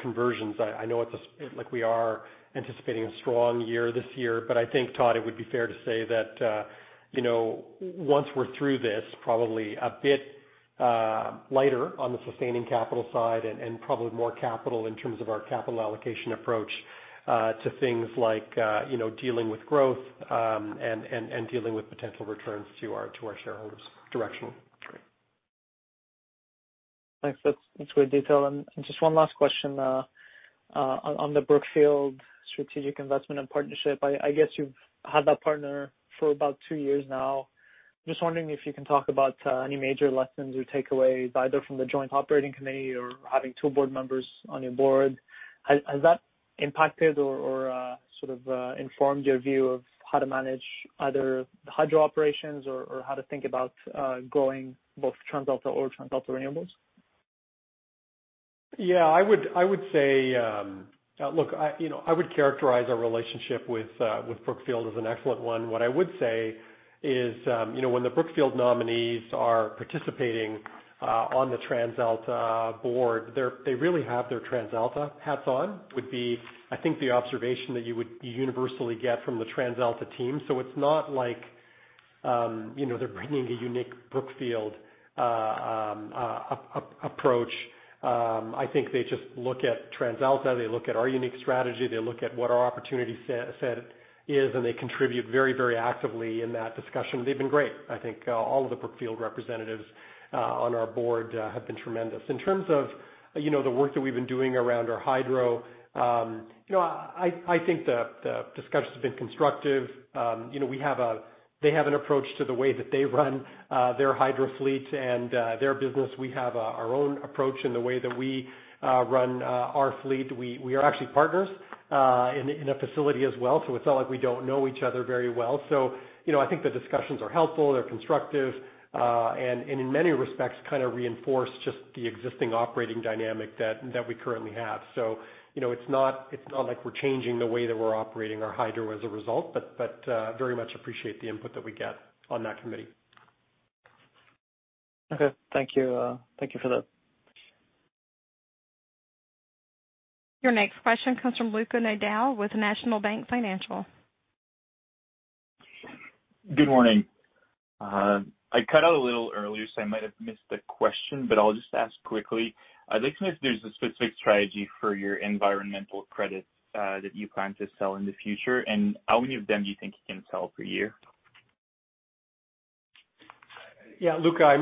conversions. I know it's like we are anticipating a strong year this year, I think, Todd, it would be fair to say that once we're through this, probably a bit lighter on the sustaining capital side and probably more capital in terms of our capital allocation approach to things like dealing with growth, and dealing with potential returns to our shareholders directionally.
Thanks. That's great detail. Just one last question. On the Brookfield strategic investment and partnership, I guess you've had that partner for about two years now. Just wondering if you can talk about any major lessons or takeaways, either from the joint operating committee or having two board members on your board. Has that impacted or sort of informed your view of how to manage either the hydro operations or how to think about growing both TransAlta or TransAlta Renewables?
I would characterize our relationship with Brookfield as an excellent one. What I would say is when the Brookfield nominees are participating on the TransAlta board, they really have their TransAlta hats on, would be, I think, the observation that you would universally get from the TransAlta team. It's not like they're bringing a unique Brookfield approach. I think they just look at TransAlta, they look at our unique strategy, they look at what our opportunity set is, and they contribute very actively in that discussion. They've been great. I think all of the Brookfield representatives on our board have been tremendous. In terms of the work that we've been doing around our hydro, I think the discussions have been constructive. They have an approach to the way that they run their hydro fleet and their business. We have our own approach in the way that we run our fleet. We are actually partners in a facility as well, so it's not like we don't know each other very well. I think the discussions are helpful, they're constructive, and in many respects kind of reinforce just the existing operating dynamic that we currently have. It's not like we're changing the way that we're operating our hydro as a result, but very much appreciate the input that we get on that committee.
Okay. Thank you for that.
Your next question comes from Luca Nadal with National Bank Financial.
Good morning. I cut out a little earlier, so I might have missed a question, but I'll just ask quickly. I'd like to know if there's a specific strategy for your environmental credits that you plan to sell in the future, and how many of them do you think you can sell per year?
Yeah, Luca,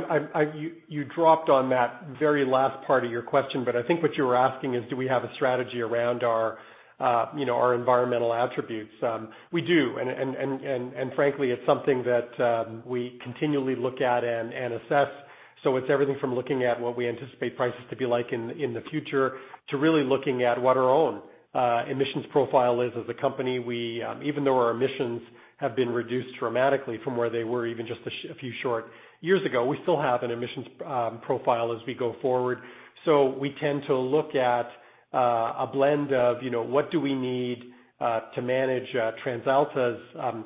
you dropped on that very last part of your question, but I think what you were asking is, do we have a strategy around our environmental attributes? We do. Frankly, it's something that we continually look at and assess. It's everything from looking at what we anticipate prices to be like in the future, to really looking at what our own emissions profile is as a company. Even though our emissions have been reduced dramatically from where they were even just a few short years ago, we still have an emissions profile as we go forward. We tend to look at a blend of what do we need to manage TransAlta's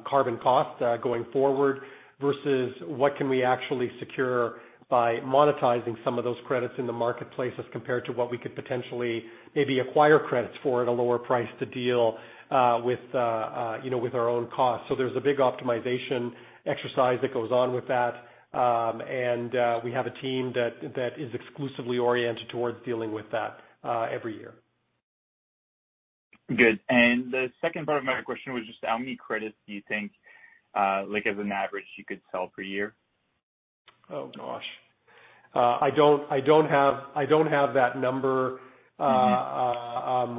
carbon cost going forward, versus what can we actually secure by monetizing some of those credits in the marketplace as compared to what we could potentially maybe acquire credits for at a lower price to deal with our own costs. There's a big optimization exercise that goes on with that. We have a team that is exclusively oriented towards dealing with that every year.
Good. The second part of my question was just how many credits do you think, like as an average, you could sell per year?
Oh, gosh. I don't have that number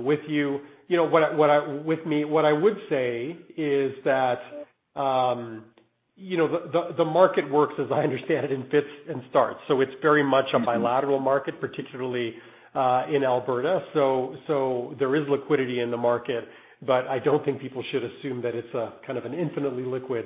with you. What I would say is that the market works, as I understand it, in fits and starts. It's very much a bilateral market, particularly in Alberta. There is liquidity in the market, but I don't think people should assume that it's a kind of an infinitely liquid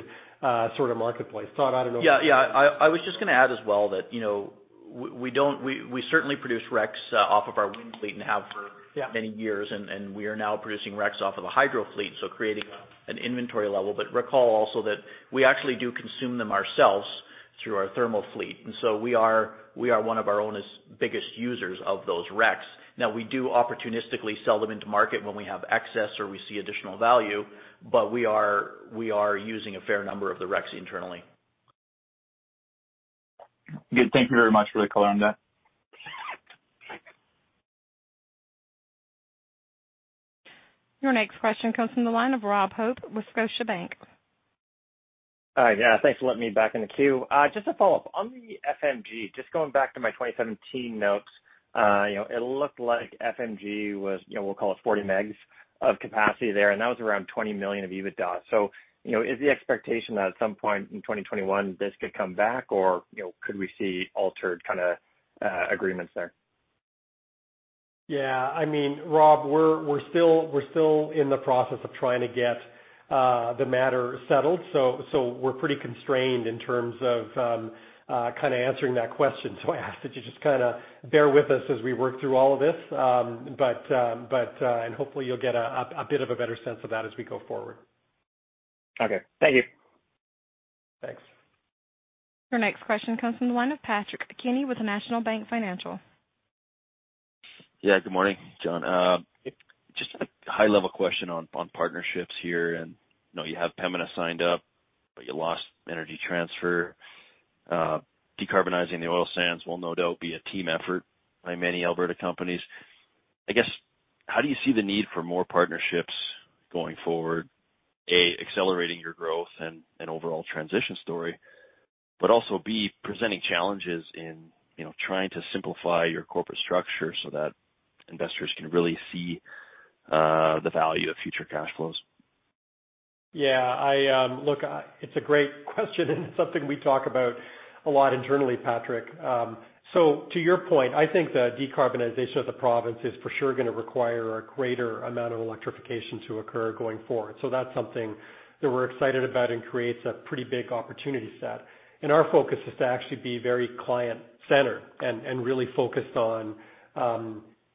sort of marketplace. Todd, I don't know if.
Yeah. I was just going to add as well that we certainly produce RECs off of our wind fleet and have for-
Yeah
many years, and we are now producing RECs off of a hydro fleet, so creating an inventory level. Recall also that we actually do consume them ourselves through our thermal fleet. We are one of our own biggest users of those RECs. Now, we do opportunistically sell them into market when we have excess or we see additional value, but we are using a fair number of the RECs internally.
Good. Thank you very much for the color on that.
Your next question comes from the line of Rob Hope with Scotiabank.
Hi. Yeah. Thanks for letting me back in the queue. Just to follow up. On the FMG, just going back to my 2017 notes, it looked like FMG was, we'll call it 40 MW of capacity there, and that was around 20 million of EBITDA. Is the expectation that at some point in 2021, this could come back or could we see altered kind of agreements there?
Yeah, Rob, we're still in the process of trying to get the matter settled. We're pretty constrained in terms of kind of answering that question. I ask that you just bear with us as we work through all of this, and hopefully you'll get a bit of a better sense of that as we go forward.
Okay. Thank you.
Thanks.
Your next question comes from the line of Patrick Kenny with National Bank Financial.
Good morning, John. Just a high-level question on partnerships here. I know you have Pembina signed up, but you lost Energy Transfer. Decarbonizing the oil sands will no doubt be a team effort by many Alberta companies. I guess, how do you see the need for more partnerships going forward, A, accelerating your growth and overall transition story, but also, B, presenting challenges in trying to simplify your corporate structure so that investors can really see the value of future cash flows?
Yeah. Look, it's a great question and something we talk about a lot internally, Patrick. To your point, I think the decarbonization of the province is for sure going to require a greater amount of electrification to occur going forward. That's something that we're excited about and creates a pretty big opportunity set. Our focus is to actually be very client-centered and really focused on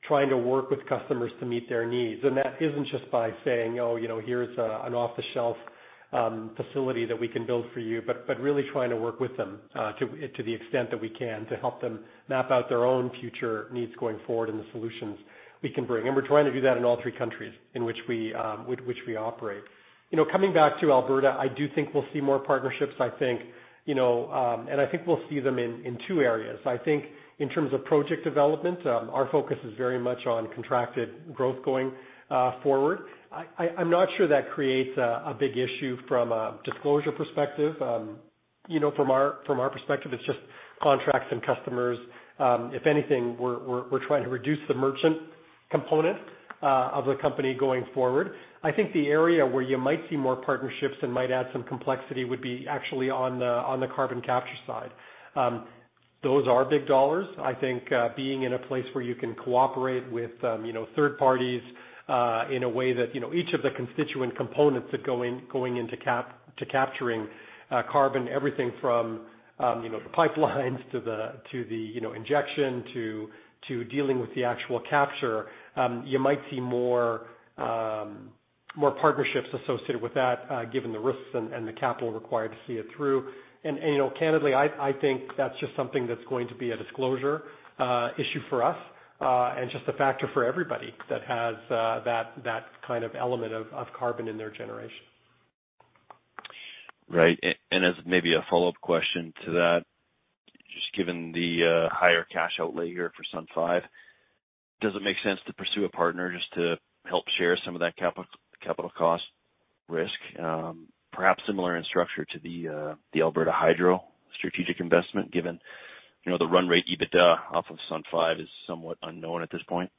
trying to work with customers to meet their needs. That isn't just by saying, "Oh, here's an off-the-shelf facility that we can build for you," but really trying to work with them, to the extent that we can to help them map out their own future needs going forward and the solutions we can bring. We're trying to do that in all three countries in which we operate. Coming back to Alberta, I do think we'll see more partnerships, and I think we'll see them in two areas. I think in terms of project development, our focus is very much on contracted growth going forward. I'm not sure that creates a big issue from a disclosure perspective. From our perspective, it is just contracts and customers. If anything, we are trying to reduce the merchant component of the company going forward. I think the area where you might see more partnerships and might add some complexity would be actually on the carbon capture side. Those are big dollars. I think being in a place where you can cooperate with third parties, in a way that each of the constituent components that going into capturing carbon, everything from the pipelines to the injection, to dealing with the actual capture. You might see more partnerships associated with that, given the risks and the capital required to see it through. Candidly, I think that's just something that's going to be a disclosure issue for us, and just a factor for everybody that has that kind of element of carbon in their generation.
Right. As maybe a follow-up question to that, just given the higher cash outlay here for SUN 5, does it make sense to pursue a partner just to help share some of that capital cost risk? Perhaps similar in structure to the Alberta Hydro strategic investment, given the run rate EBITDA off of SUN 5 is somewhat unknown at this point.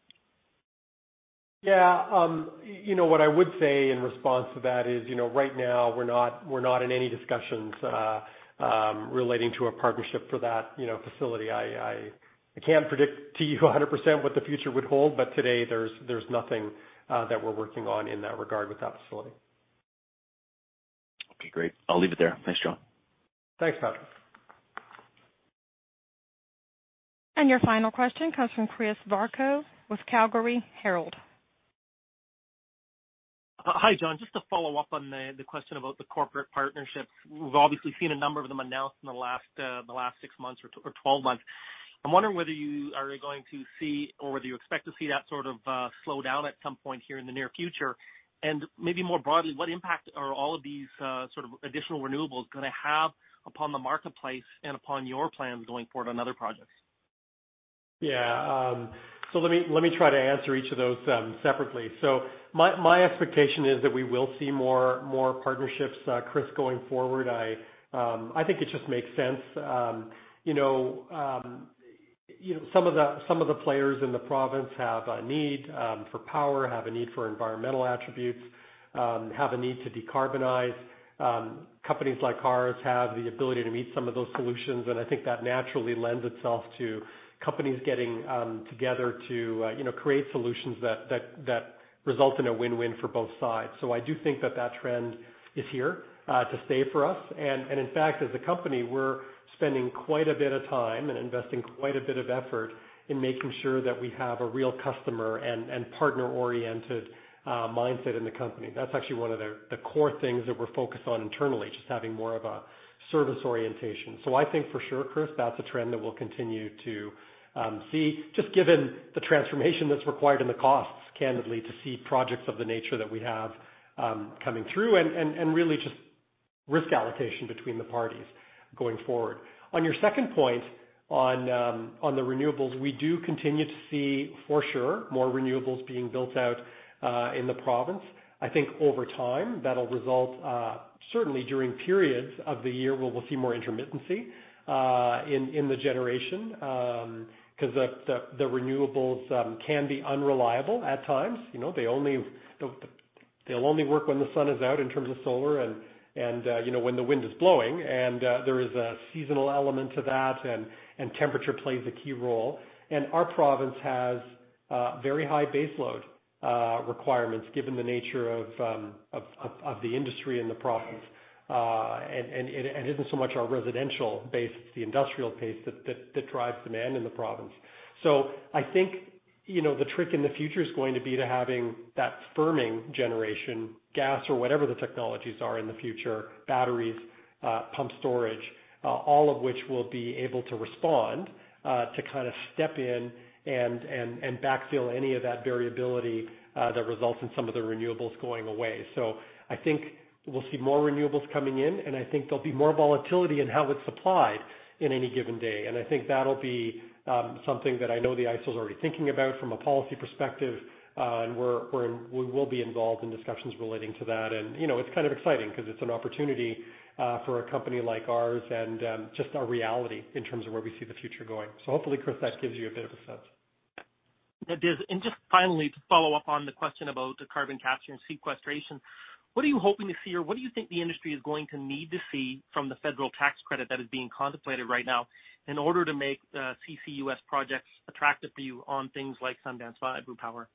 Yeah. What I would say in response to that is, right now we're not in any discussions relating to a partnership for that facility. I can't predict to you 100% what the future would hold, but today there's nothing that we're working on in that regard with that facility.
Okay, great. I'll leave it there. Thanks, John.
Thanks, Patrick.
Your final question comes from Chris Varcoe with Calgary Herald.
Hi, John. Just to follow up on the question about the corporate partnerships. We've obviously seen a number of them announced in the last six months or 12 months. I'm wondering whether you are going to see, or whether you expect to see that sort of slow down at some point here in the near future? Maybe more broadly, what impact are all of these sort of additional renewables going to have upon the marketplace and upon your plans going forward on other projects?
Yeah. Let me try to answer each of those separately. My expectation is that we will see more partnerships, Chris, going forward. I think it just makes sense. Some of the players in the province have a need for power, have a need for environmental attributes, have a need to decarbonize. Companies like ours have the ability to meet some of those solutions, and I think that naturally lends itself to companies getting together to create solutions that result in a win-win for both sides. I do think that trend is here to stay for us. In fact, as a company, we're spending quite a bit of time and investing quite a bit of effort in making sure that we have a real customer and partner-oriented mindset in the company. That's actually one of the core things that we're focused on internally, just having more of a service orientation. I think for sure, Chris, that's a trend that we'll continue to see, just given the transformation that's required and the costs, candidly, to see projects of the nature that we have coming through and really just Risk allocation between the parties going forward. On your second point on the renewables, we do continue to see for sure more renewables being built out in the province. I think over time, that'll result, certainly during periods of the year, we'll see more intermittency in the generation. The renewables can be unreliable at times. They'll only work when the sun is out in terms of solar and when the wind is blowing and there is a seasonal element to that and temperature plays a key role. Our province has very high base load requirements given the nature of the industry in the province. It isn't so much our residential base, it's the industrial base that drives demand in the province. I think, the trick in the future is going to be to having that firming generation, gas or whatever the technologies are in the future, batteries, pumped storage, all of which will be able to respond, to step in and backfill any of that variability, that results in some of the renewables going away. I think we'll see more renewables coming in, and I think there'll be more volatility in how it's supplied in any given day. I think that'll be something that I know the AESO's already thinking about from a policy perspective. We will be involved in discussions relating to that. It's kind of exciting because it's an opportunity for a company like ours and just a reality in terms of where we see the future going. Hopefully, Chris, that gives you a bit of a sense.
It does. Just finally, to follow up on the question about the carbon capture and sequestration, what are you hoping to see or what do you think the industry is going to need to see from the federal tax credit that is being contemplated right now in order to make the CCUS projects attractive for you on things like Sundance 5, blue power?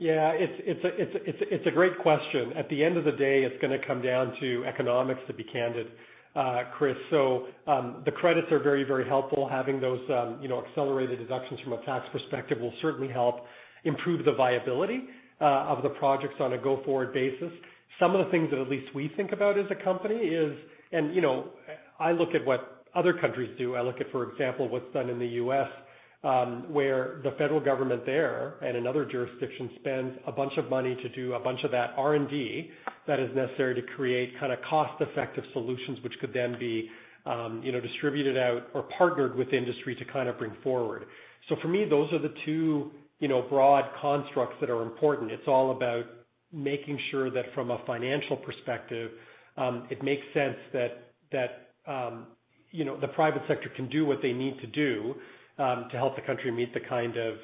Yeah, it's a great question. At the end of the day, it's going to come down to economics, to be candid, Chris. The credits are very helpful. Having those accelerated deductions from a tax perspective will certainly help improve the viability of the projects on a go-forward basis. Some of the things that at least we think about as a company is, I look at what other countries do. I look at, for example, what's done in the U.S., where the federal government there and another jurisdiction spends a bunch of money to do a bunch of that R&D that is necessary to create cost-effective solutions, which could then be distributed out or partnered with industry to bring forward. For me, those are the two broad constructs that are important. It's all about making sure that from a financial perspective, it makes sense that the private sector can do what they need to do, to help the country meet the kind of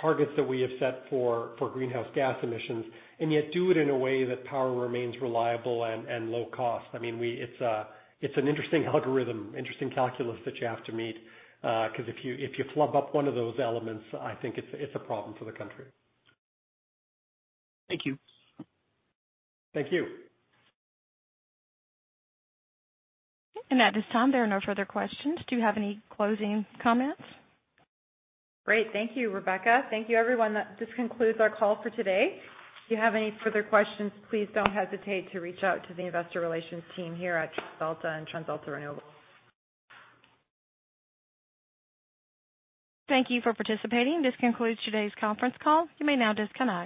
targets that we have set for greenhouse gas emissions, and yet do it in a way that power remains reliable and low cost. It's an interesting algorithm, interesting calculus that you have to meet, because if you flub up one of those elements, I think it's a problem for the country.
Thank you.
Thank you.
At this time, there are no further questions. Do you have any closing comments?
Great. Thank you, Rebecca. Thank you, everyone. This concludes our call for today. If you have any further questions, please don't hesitate to reach out to the investor relations team here at TransAlta and TransAlta Renewables.
Thank you for participating. This concludes today's conference call. You may now disconnect.